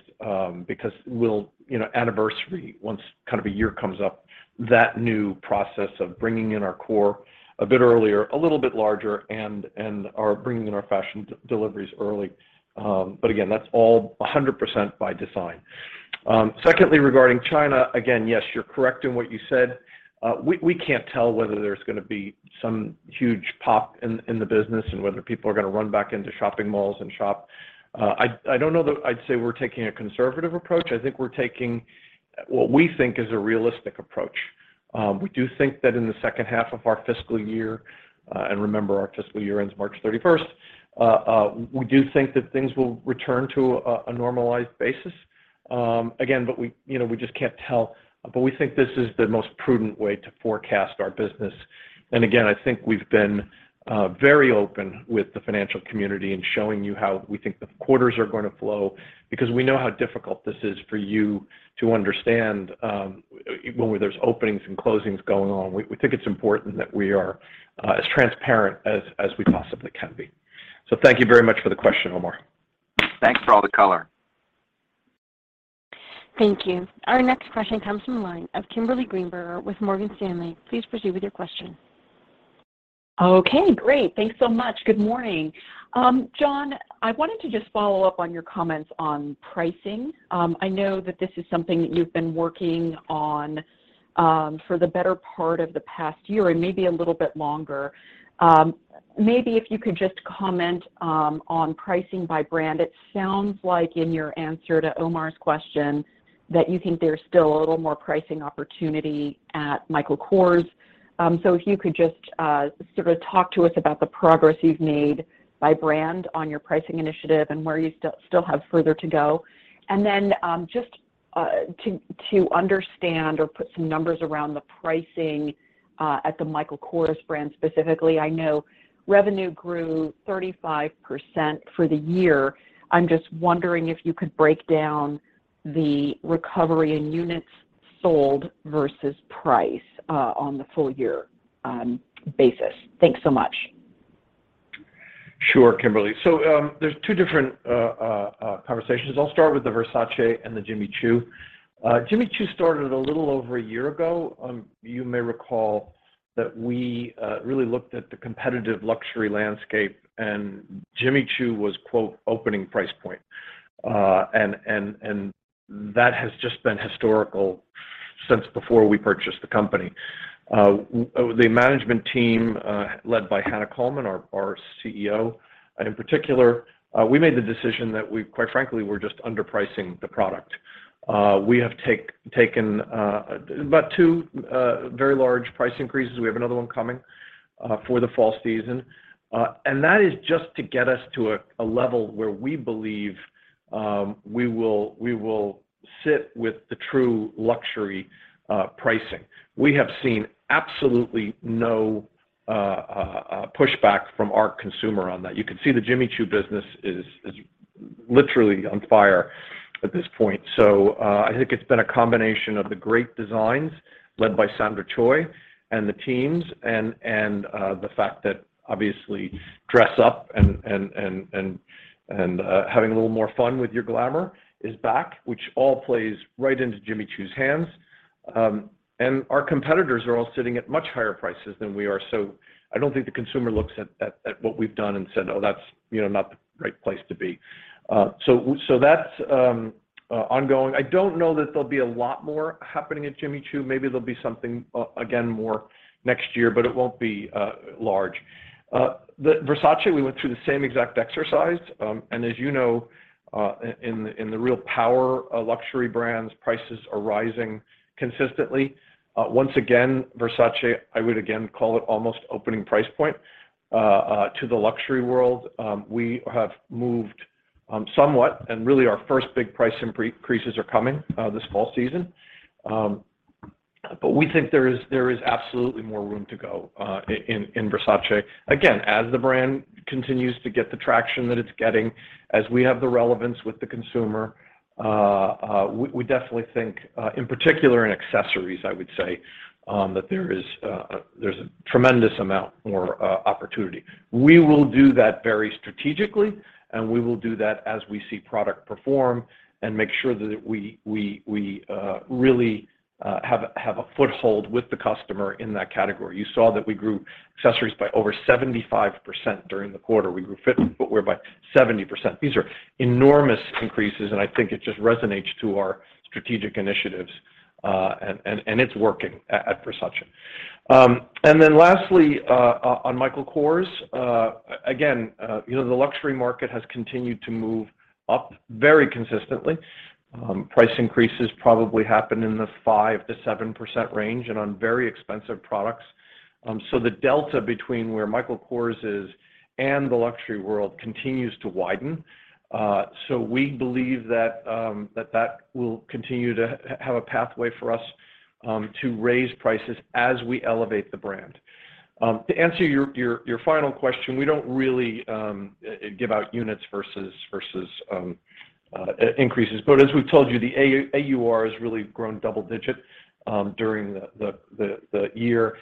because we'll, you know, anniversary once kind of a year comes up, that new process of bringing in our core a bit earlier, a little bit larger and our bringing in our fashion deliveries early. Again, that's all 100% by design. Secondly, regarding China, again, yes, you're correct in what you said. We can't tell whether there's gonna be some huge pop in the business and whether people are gonna run back into shopping malls and shop. I don't know that I'd say we're taking a conservative approach. I think we're taking what we think is a realistic approach. We do think that in the second half of our fiscal year, and remember our fiscal year ends March thirty-first, we do think that things will return to a normalized basis. We, you know, just can't tell, but we think this is the most prudent way to forecast our business. I think we've been very open with the financial community in showing you how we think the quarters are gonna flow because we know how difficult this is for you to understand, when there's openings and closings going on. We think it's important that we are as transparent as we possibly can be. Thank you very much for the question, Omar. Thanks for all the color. Thank you. Our next question comes from the line of Kimberly Greenberger with Morgan Stanley. Please proceed with your question. Okay, great. Thanks so much. Good morning. John, I wanted to just follow up on your comments on pricing. I know that this is something that you've been working on, for the better part of the past year and maybe a little bit longer. Maybe if you could just comment on pricing by brand. It sounds like in your answer to Omar's question that you think there's still a little more pricing opportunity at Michael Kors. So if you could just sort of talk to us about the progress you've made by brand on your pricing initiative and where you still have further to go. To understand or put some numbers around the pricing at the Michael Kors brand specifically, I know revenue grew 35% for the year. I'm just wondering if you could break down the recovery in units sold versus price on the full year basis. Thanks so much. Sure, Kimberly. There's two different conversations. I'll start with the Versace and the Jimmy Choo. Jimmy Choo started a little over a year ago. You may recall that we really looked at the competitive luxury landscape, and Jimmy Choo was, quote, "opening price point." That has just been historical since before we purchased the company. The management team led by Hannah Colman, our CEO, and in particular, we made the decision that we quite frankly were just underpricing the product. We have taken about two very large price increases. We have another one coming for the fall season. That is just to get us to a level where we believe we will sit with the true luxury pricing. We have seen absolutely no pushback from our consumer on that. You can see the Jimmy Choo business is literally on fire at this point. I think it's been a combination of the great designs led by Sandra Choi and the teams and the fact that obviously dress up and having a little more fun with your glamour is back, which all plays right into Jimmy Choo's hands. Our competitors are all sitting at much higher prices than we are. I don't think the consumer looks at what we've done and said, "Oh, that's, you know, not the right place to be." That's ongoing. I don't know that there'll be a lot more happening at Jimmy Choo. Maybe there'll be something, again more next year, but it won't be large. The Versace, we went through the same exact exercise. As you know, in the real power of luxury brands, prices are rising consistently. Once again, Versace, I would again call it almost opening price point to the luxury world. We have moved, somewhat, and really our first big price increases are coming, this fall season. We think there is absolutely more room to go, in Versace. Again, as the brand continues to get the traction that it's getting, as we have the relevance with the consumer, we definitely think, in particular in accessories, I would say, that there is, there's a tremendous amount more opportunity. We will do that very strategically, and we will do that as we see product perform and make sure that we really have a foothold with the customer in that category. You saw that we grew accessories by over 75% during the quarter. We grew footwear by 70%. These are enormous increases, and I think it just resonates to our strategic initiatives. It's working at Versace. And then lastly, on Michael Kors, again, you know, the luxury market has continued to move up very consistently. Price increases probably happen in the 5%-7% range and on very expensive products. The delta between where Michael Kors is and the luxury world continues to widen. We believe that will continue to have a pathway for us to raise prices as we elevate the brand. To answer your final question, we don't really give out units versus increases. As we've told you, the AUR has really grown double-digit during the year.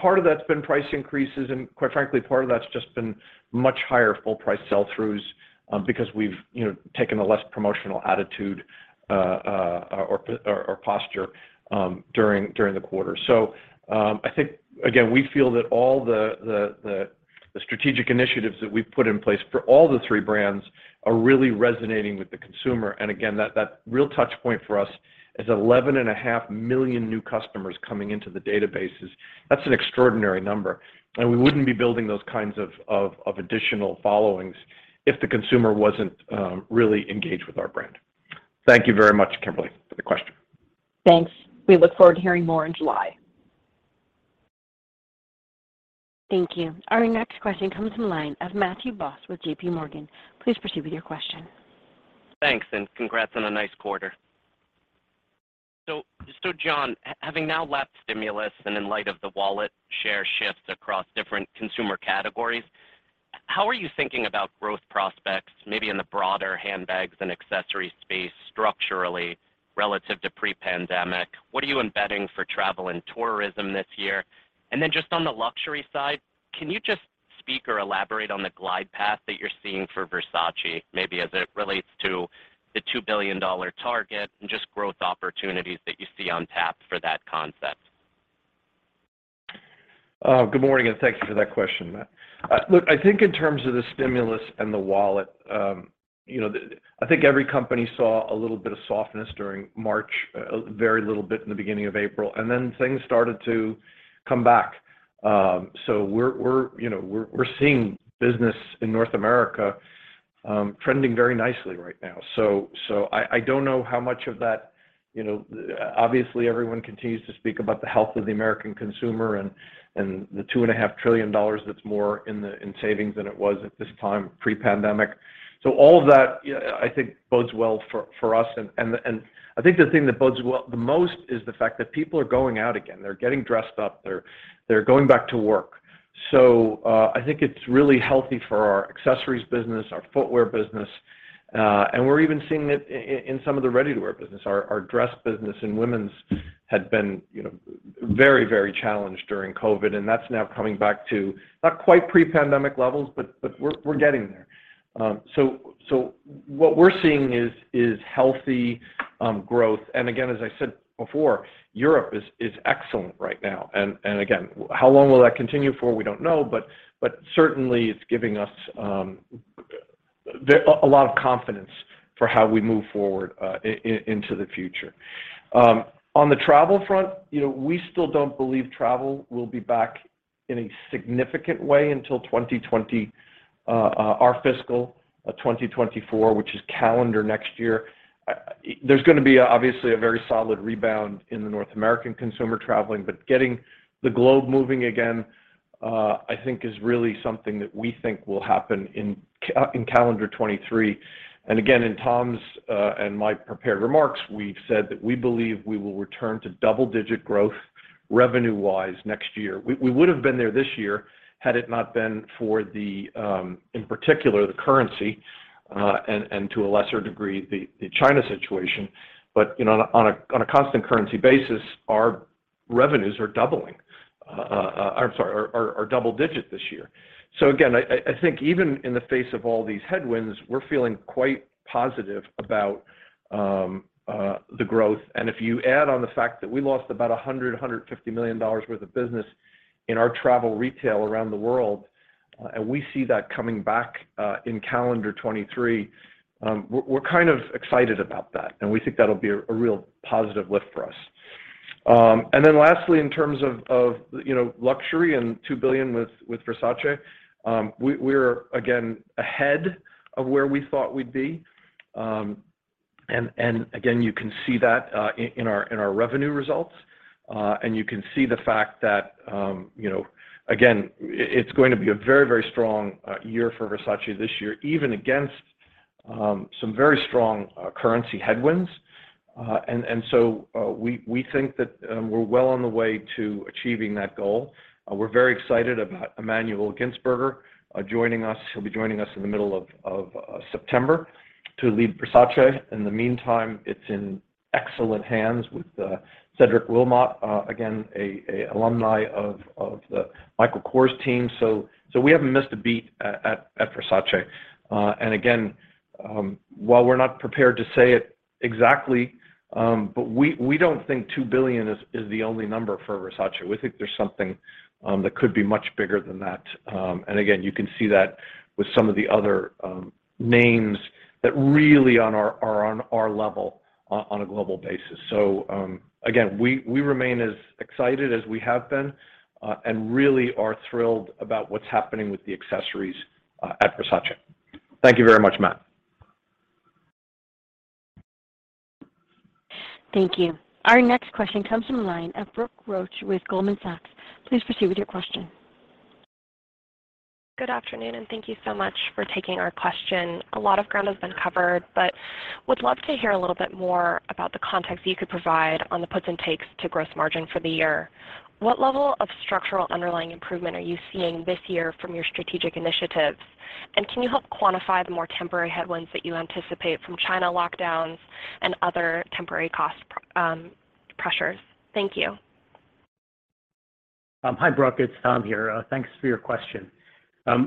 Part of that's been price increases, and quite frankly, part of that's just been much higher full price sell-throughs, because we've, you know, taken a less promotional attitude or posture during the quarter. I think again, we feel that all the strategic initiatives that we've put in place for all the three brands are really resonating with the consumer. Again, that real touch point for us is 11.5 million new customers coming into the databases. That's an extraordinary number, and we wouldn't be building those kinds of additional followings if the consumer wasn't really engaged with our brand. Thank you very much, Kimberly, for the question. Thanks. We look forward to hearing more in July. Thank you. Our next question comes from the line of Matthew Boss with JPMorgan. Please proceed with your question. Thanks and congrats on a nice quarter. John, having now left stimulus and in light of the wallet share shifts across different consumer categories, how are you thinking about growth prospects maybe in the broader handbags and accessories space structurally relative to pre-pandemic? What are you embedding for travel and tourism this year? Just on the luxury side, can you just speak or elaborate on the glide path that you're seeing for Versace, maybe as it relates to the $2 billion target and just growth opportunities that you see on tap for that concept? Good morning, and thank you for that question, Matt. Look, I think in terms of the stimulus and the wallet, you know, I think every company saw a little bit of softness during March, a very little bit in the beginning of April, and then things started to come back. So we're seeing business in North America trending very nicely right now. So I don't know how much of that, you know. Obviously, everyone continues to speak about the health of the American consumer and the $2.5 trillion that's more in savings than it was at this time pre-pandemic. All of that, yeah, I think bodes well for us. I think the thing that bodes well the most is the fact that people are going out again. They're getting dressed up. They're going back to work. I think it's really healthy for our accessories business, our footwear business, and we're even seeing it in some of the ready-to-wear business. Our dress business and women's had been, you know, very challenged during COVID, and that's now coming back to not quite pre-pandemic levels, but we're getting there. What we're seeing is healthy growth. Again, as I said before, Europe is excellent right now. Again, how long will that continue for? We don't know. Certainly it's giving us a lot of confidence for how we move forward into the future. On the travel front, you know, we still don't believe travel will be back in a significant way until 2020. Our fiscal 2024, which is calendar next year, there's gonna be obviously a very solid rebound in the North American consumer traveling, but getting the globe moving again, I think is really something that we think will happen in calendar 2023. Again, in Tom's and my prepared remarks, we said that we believe we will return to double-digit growth revenue-wise next year. We would have been there this year had it not been for the, in particular, the currency, and to a lesser degree, the China situation. You know, on a constant currency basis, our revenues are double digit this year. Again, I think even in the face of all these headwinds, we're feeling quite positive about the growth. If you add on the fact that we lost about $150 million worth of business in our travel retail around the world, and we see that coming back in calendar 2023, we're kind of excited about that, and we think that'll be a real positive lift for us. Then lastly, in terms of luxury and $2 billion with Versace, we're again ahead of where we thought we'd be. And again, you can see that in our revenue results. You can see the fact that, you know, again, it's going to be a very, very strong year for Versace this year, even against some very strong currency headwinds. We think that we're well on the way to achieving that goal. We're very excited about Emmanuel Gintzburger joining us. He'll be joining us in the middle of September to lead Versace. In the meantime, it's in excellent hands with Cedric Wilmotte, again, an alumnus of the Michael Kors team. We haven't missed a beat at Versace. While we're not prepared to say it exactly, we don't think $2 billion is the only number for Versace. We think there's something that could be much bigger than that. Again, you can see that with some of the other names that really are on our level on a global basis. Again, we remain as excited as we have been and really are thrilled about what's happening with the accessories at Versace. Thank you very much, Matt. Thank you. Our next question comes from the line of Brooke Roach with Goldman Sachs. Please proceed with your question. Good afternoon, and thank you so much for taking our question. A lot of ground has been covered, but would love to hear a little bit more about the context you could provide on the puts and takes to gross margin for the year. What level of structural underlying improvement are you seeing this year from your strategic initiatives? And can you help quantify the more temporary headwinds that you anticipate from China lockdowns and other temporary cost pressures? Thank you. Hi, Brooke. It's Tom here. Thanks for your question. As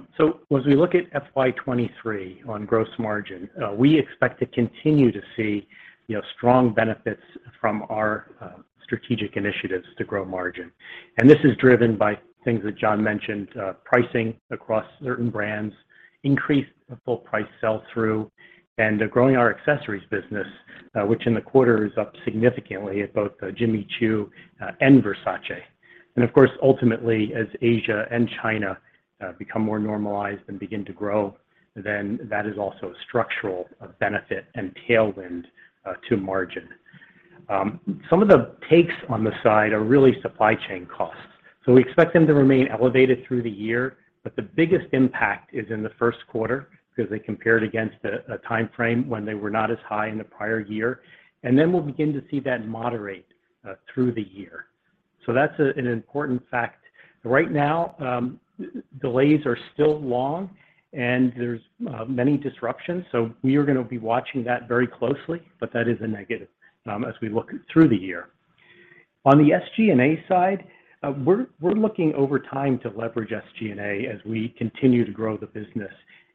we look at FY 2023 on gross margin, we expect to continue to see, you know, strong benefits from our strategic initiatives to grow margin. This is driven by things that John mentioned, pricing across certain brands, increased full price sell-through, and growing our accessories business, which in the quarter is up significantly at both Jimmy Choo and Versace. Of course, ultimately, as Asia and China become more normalized and begin to grow, then that is also a structural benefit and tailwind to margin. Some of the takes on the side are really supply chain costs. We expect them to remain elevated through the year, but the biggest impact is in the first quarter because they compared against a time frame when they were not as high in the prior year. Then we'll begin to see that moderate through the year. That's an important fact. Right now, delays are still long and there's many disruptions. We are gonna be watching that very closely, but that is a negative as we look through the year. On the SG&A side, we're looking over time to leverage SG&A as we continue to grow the business.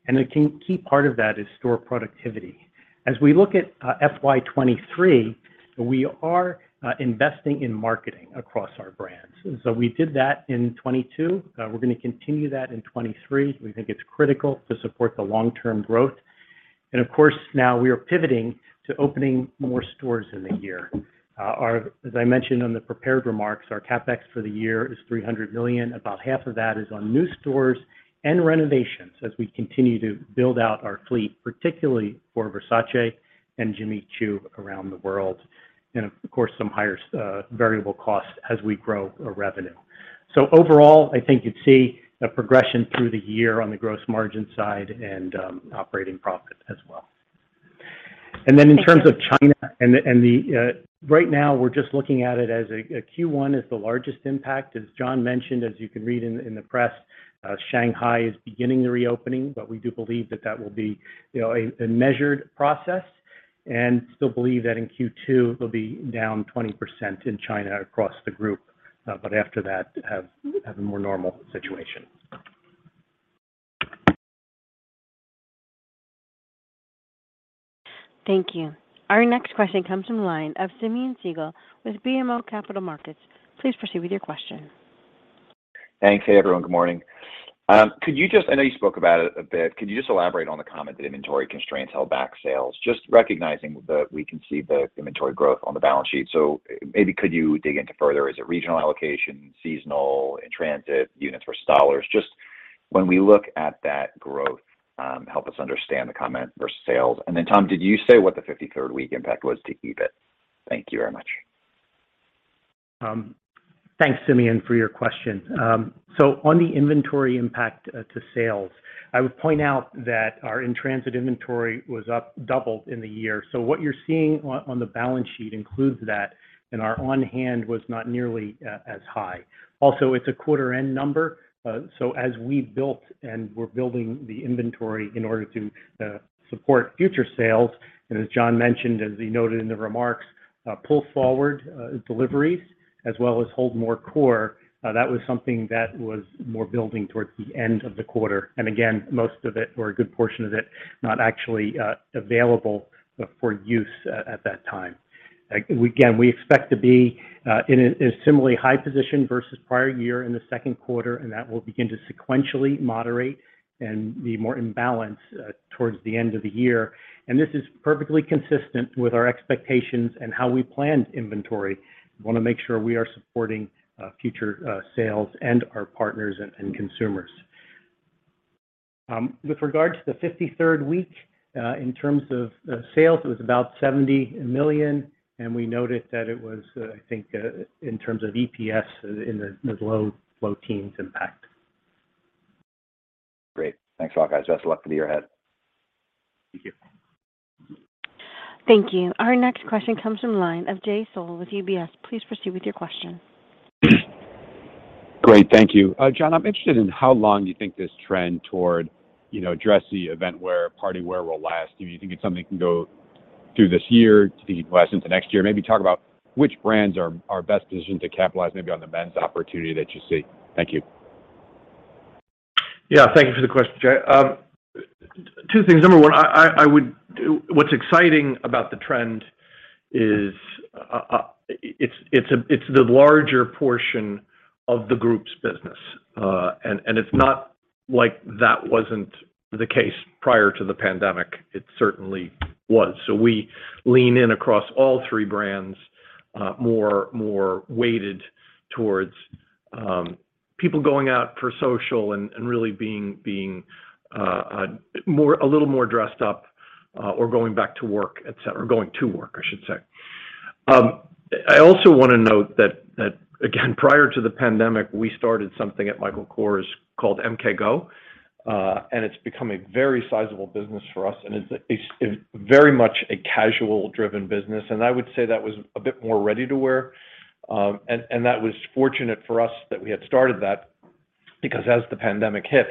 A key part of that is store productivity. As we look at FY 2023, we are investing in marketing across our brands. We did that in 2022. We're gonna continue that in 2023. We think it's critical to support the long-term growth. Of course, now we are pivoting to opening more stores in the year. As I mentioned on the prepared remarks, our CapEx for the year is $300 million. About half of that is on new stores and renovations as we continue to build out our fleet, particularly for Versace and Jimmy Choo around the world. Of course, some higher variable costs as we grow our revenue. Overall, I think you'd see a progression through the year on the gross margin side and operating profit as well. In terms of China, right now, we're just looking at it as Q1 is the largest impact. As John mentioned, as you can read in the press, Shanghai is beginning the reopening, but we do believe that will be, you know, a measured process and still believe that in Q2, it'll be down 20% in China across the group, but after that, have a more normal situation. Thank you. Our next question comes from the line of Simeon Siegel with BMO Capital Markets. Please proceed with your question. Thanks. Hey, everyone. Good morning. I know you spoke about it a bit. Could you just elaborate on the comment that inventory constraints held back sales? Just recognizing that we can see the inventory growth on the balance sheet. Maybe could you dig into further, is it regional allocation, seasonal, in-transit units or dollars? Just when we look at that growth, help us understand the comment versus sales. Then Tom, did you say what the 53rd week impact was to EBIT? Thank you very much. Thanks Simeon for your question. On the inventory impact to sales, I would point out that our in-transit inventory was up double in the year. What you're seeing on the balance sheet includes that, and our on-hand was not nearly as high. Also, it's a quarter-end number, so as we built and we're building the inventory in order to support future sales, and as John mentioned, as he noted in the remarks, pull forward deliveries as well as hold more core, that was something that was more building towards the end of the quarter. Again, most of it or a good portion of it not actually available for use at that time. Again, we expect to be in a similarly high position versus prior year in the second quarter, and that will begin to sequentially moderate and be more in balance towards the end of the year. This is perfectly consistent with our expectations and how we planned inventory. Wanna make sure we are supporting future sales and our partners and consumers. With regards to the fifty-third week, in terms of sales, it was about $70 million, and we noted that it was, I think, in terms of EPS in the low-teens impact. Great. Thanks a lot, guys. Best of luck for the year ahead. Thank you. Thank you. Our next question comes from the line of Jay Sole with UBS. Please proceed with your question. Great. Thank you. John, I'm interested in how long you think this trend toward, you know, dressy event wear, party wear will last. Do you think it's something that can go through this year? Do you think it lasts into next year? Maybe talk about which brands are best positioned to capitalize maybe on the men's opportunity that you see. Thank you. Yeah. Thank you for the question, Jay. Two things. Number one, what's exciting about the trend is it's the larger portion of the group's business. It's not like that wasn't the case prior to the pandemic. It certainly was. We lean in across all three brands, more weighted towards people going out for social and really being a little more dressed up, or going back to work, et cetera. Or going to work, I should say. I also wanna note that again, prior to the pandemic, we started something at Michael Kors called MKGO, and it's become a very sizable business for us, and it's very much a casual-driven business. I would say that was a bit more ready-to-wear, and that was fortunate for us that we had started that because as the pandemic hit,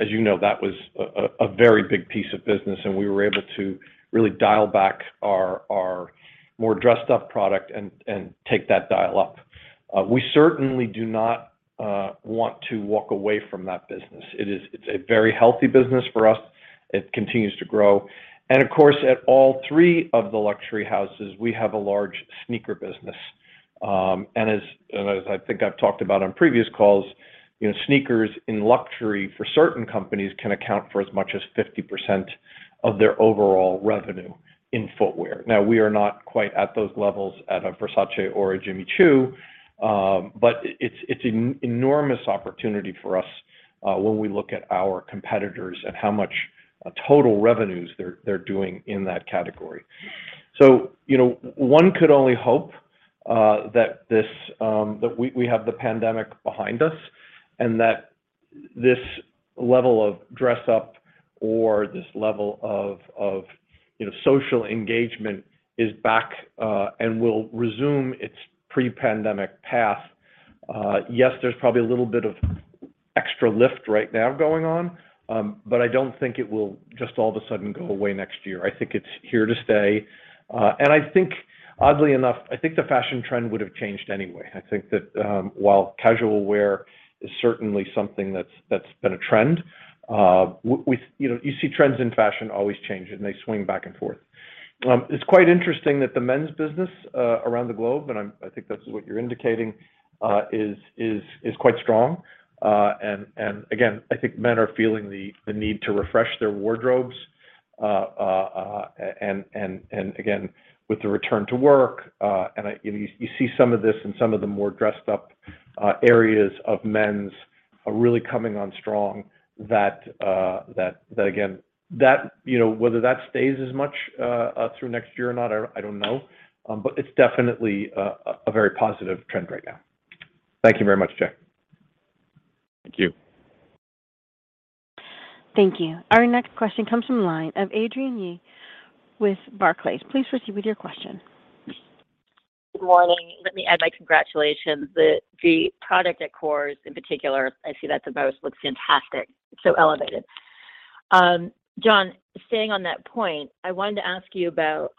as you know, that was a very big piece of business, and we were able to really dial back our more dressed up product and take that dial up. We certainly do not want to walk away from that business. It is. It's a very healthy business for us. It continues to grow. Of course, at all three of the luxury houses, we have a large sneaker business. As I think I've talked about on previous calls, you know, sneakers in luxury for certain companies can account for as much as 50% of their overall revenue in footwear. Now, we are not quite at those levels at a Versace or a Jimmy Choo, but it's an enormous opportunity for us, when we look at our competitors and how much total revenues they're doing in that category. You know, one could only hope that we have the pandemic behind us and that this level of dress up or this level of, you know, social engagement is back and will resume its pre-pandemic path. Yes, there's probably a little bit of extra lift right now going on, but I don't think it will just all of a sudden go away next year. I think it's here to stay. I think oddly enough, I think the fashion trend would have changed anyway. I think that while casual wear is certainly something that's been a trend, you know, you see trends in fashion always change, and they swing back and forth. It's quite interesting that the men's business around the globe, and I think that's what you're indicating, is quite strong. Again, I think men are feeling the need to refresh their wardrobes. Again, with the return to work, you see some of this in some of the more dressed up areas of men's are really coming on strong that again, you know, whether that stays as much through next year or not, I don't know. It's definitely a very positive trend right now. Thank you very much, Jay. Thank you. Thank you. Our next question comes from the line of Adrienne Yih with Barclays. Please proceed with your question. Good morning. Let me add my congratulations. The product at Kors in particular I see that the most looks fantastic. So elevated. John, staying on that point, I wanted to ask you about,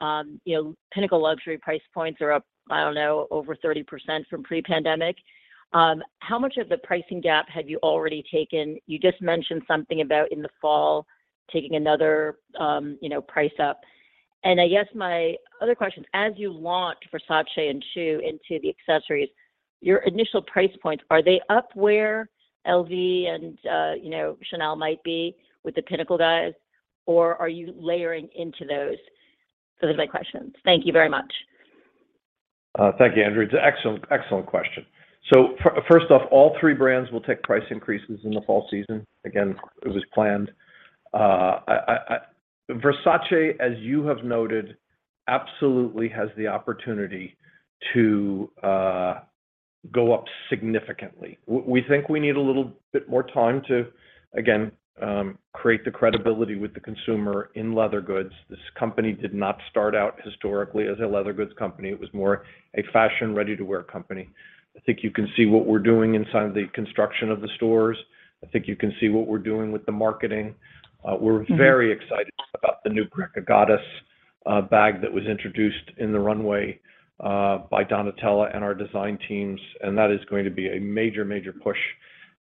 you know, pinnacle luxury price points are up, I don't know, over 30% from pre-pandemic. How much of the pricing gap have you already taken? You just mentioned something about in the fall taking another, you know, price up. And I guess my other question, as you launch Versace and Jimmy Choo into the accessories, your initial price points, are they up where LV and, you know, Chanel might be with the pinnacle guys, or are you layering into those? So those are my questions. Thank you very much. Thank you, Adrienne. It's an excellent question. First off, all three brands will take price increases in the fall season. Again, it was planned. Versace, as you have noted, absolutely has the opportunity to go up significantly. We think we need a little bit more time to, again, create the credibility with the consumer in leather goods. This company did not start out historically as a leather goods company. It was more a fashion ready-to-wear company. I think you can see what we're doing inside of the construction of the stores. I think you can see what we're doing with the marketing. We're very excited about the new Greca Goddess bag that was introduced in the runway by Donatella and our design teams, and that is going to be a major push.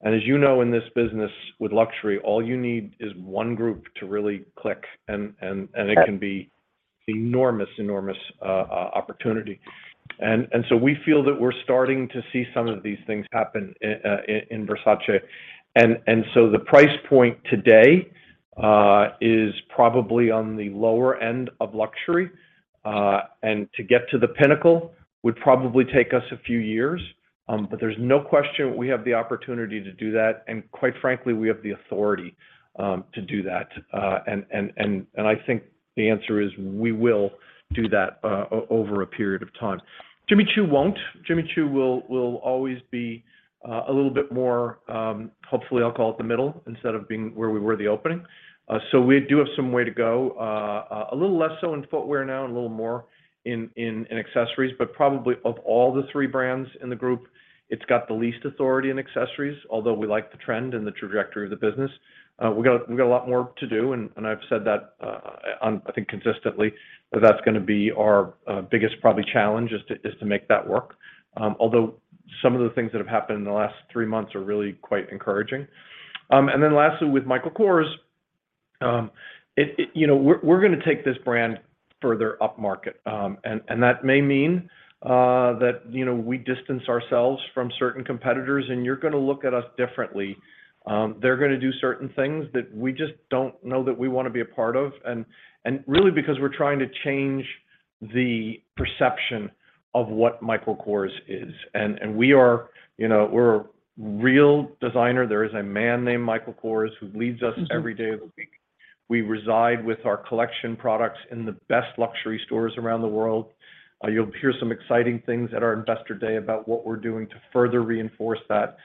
As you know, in this business with luxury, all you need is one group to really click and it can be enormous opportunity. We feel that we're starting to see some of these things happen in Versace. The price point today is probably on the lower end of luxury and to get to the pinnacle would probably take us a few years. There's no question we have the opportunity to do that. Quite frankly, we have the authority to do that. I think the answer is we will do that over a period of time. Jimmy Choo won't. Jimmy Choo will always be a little bit more, hopefully I'll call it the middle instead of being where we were at the opening. We do have some way to go. A little less so in footwear now and a little more in accessories, but probably of all the three brands in the group, it's got the least authority in accessories, although we like the trend and the trajectory of the business. We got a lot more to do, and I've said that, I think consistently, that that's gonna be our biggest probably challenge is to make that work. Although some of the things that have happened in the last three months are really quite encouraging. Lastly, with Michael Kors, it you know, we're gonna take this brand further upmarket. That may mean that you know, we distance ourselves from certain competitors, and you're gonna look at us differently. They're gonna do certain things that we just don't know that we wanna be a part of, really because we're trying to change the perception of what Michael Kors is. We are, you know, we're a real designer. There is a man named Michael Kors who leads us every day of the week. We reside with our collection products in the best luxury stores around the world. You'll hear some exciting things at our Investor Day about what we're doing to further reinforce that.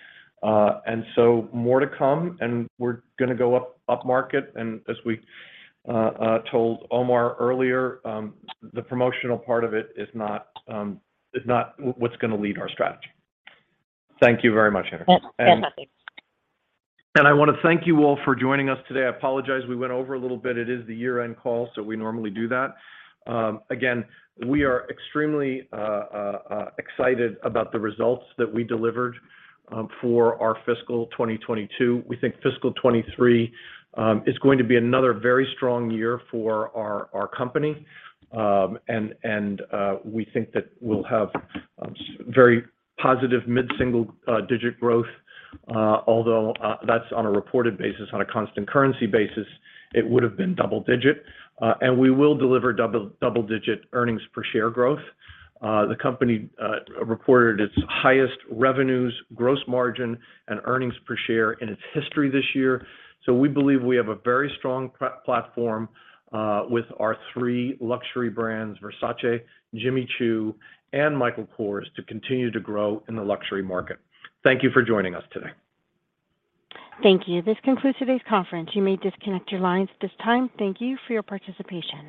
More to come, and we're gonna go upmarket. As we told Omar earlier, the promotional part of it is not what's gonna lead our strategy. Thank you very much, Adrienne. Yes. I wanna thank you all for joining us today. I apologize we went over a little bit. It is the year-end call, so we normally do that. Again, we are extremely excited about the results that we delivered for our fiscal 2022. We think fiscal 2023 is going to be another very strong year for our company. We think that we'll have very positive mid-single-digit growth, although that's on a reported basis. On a constant currency basis, it would have been double-digit. We will deliver double-digit earnings per share growth. The company reported its highest revenues, gross margin, and earnings per share in its history this year. We believe we have a very strong platform with our three luxury brands, Versace, Jimmy Choo, and Michael Kors, to continue to grow in the luxury market. Thank you for joining us today. Thank you. This concludes today's conference. You may disconnect your lines at this time. Thank you for your participation.